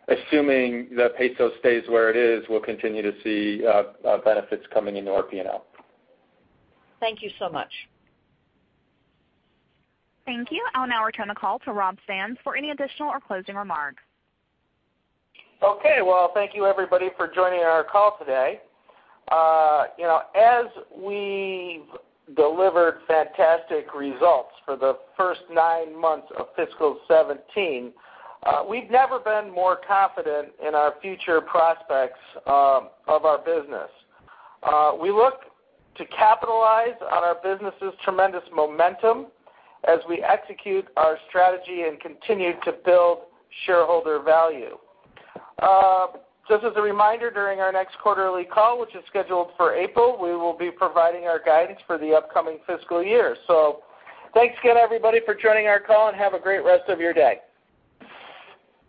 Assuming that peso stays where it is, we'll continue to see benefits coming into our P&L. Thank you so much. Thank you. I'll now return the call to Rob Sands for any additional or closing remarks. Okay. Well, thank you everybody for joining our call today. As we've delivered fantastic results for the first nine months of fiscal 2017, we've never been more confident in our future prospects of our business. We look to capitalize on our business' tremendous momentum as we execute our strategy and continue to build shareholder value. Just as a reminder, during our next quarterly call, which is scheduled for April, we will be providing our guidance for the upcoming fiscal year. Thanks again, everybody, for joining our call, and have a great rest of your day.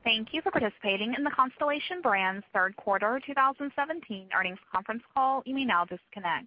Thank you for participating in the Constellation Brands third quarter 2017 earnings conference call. You may now disconnect.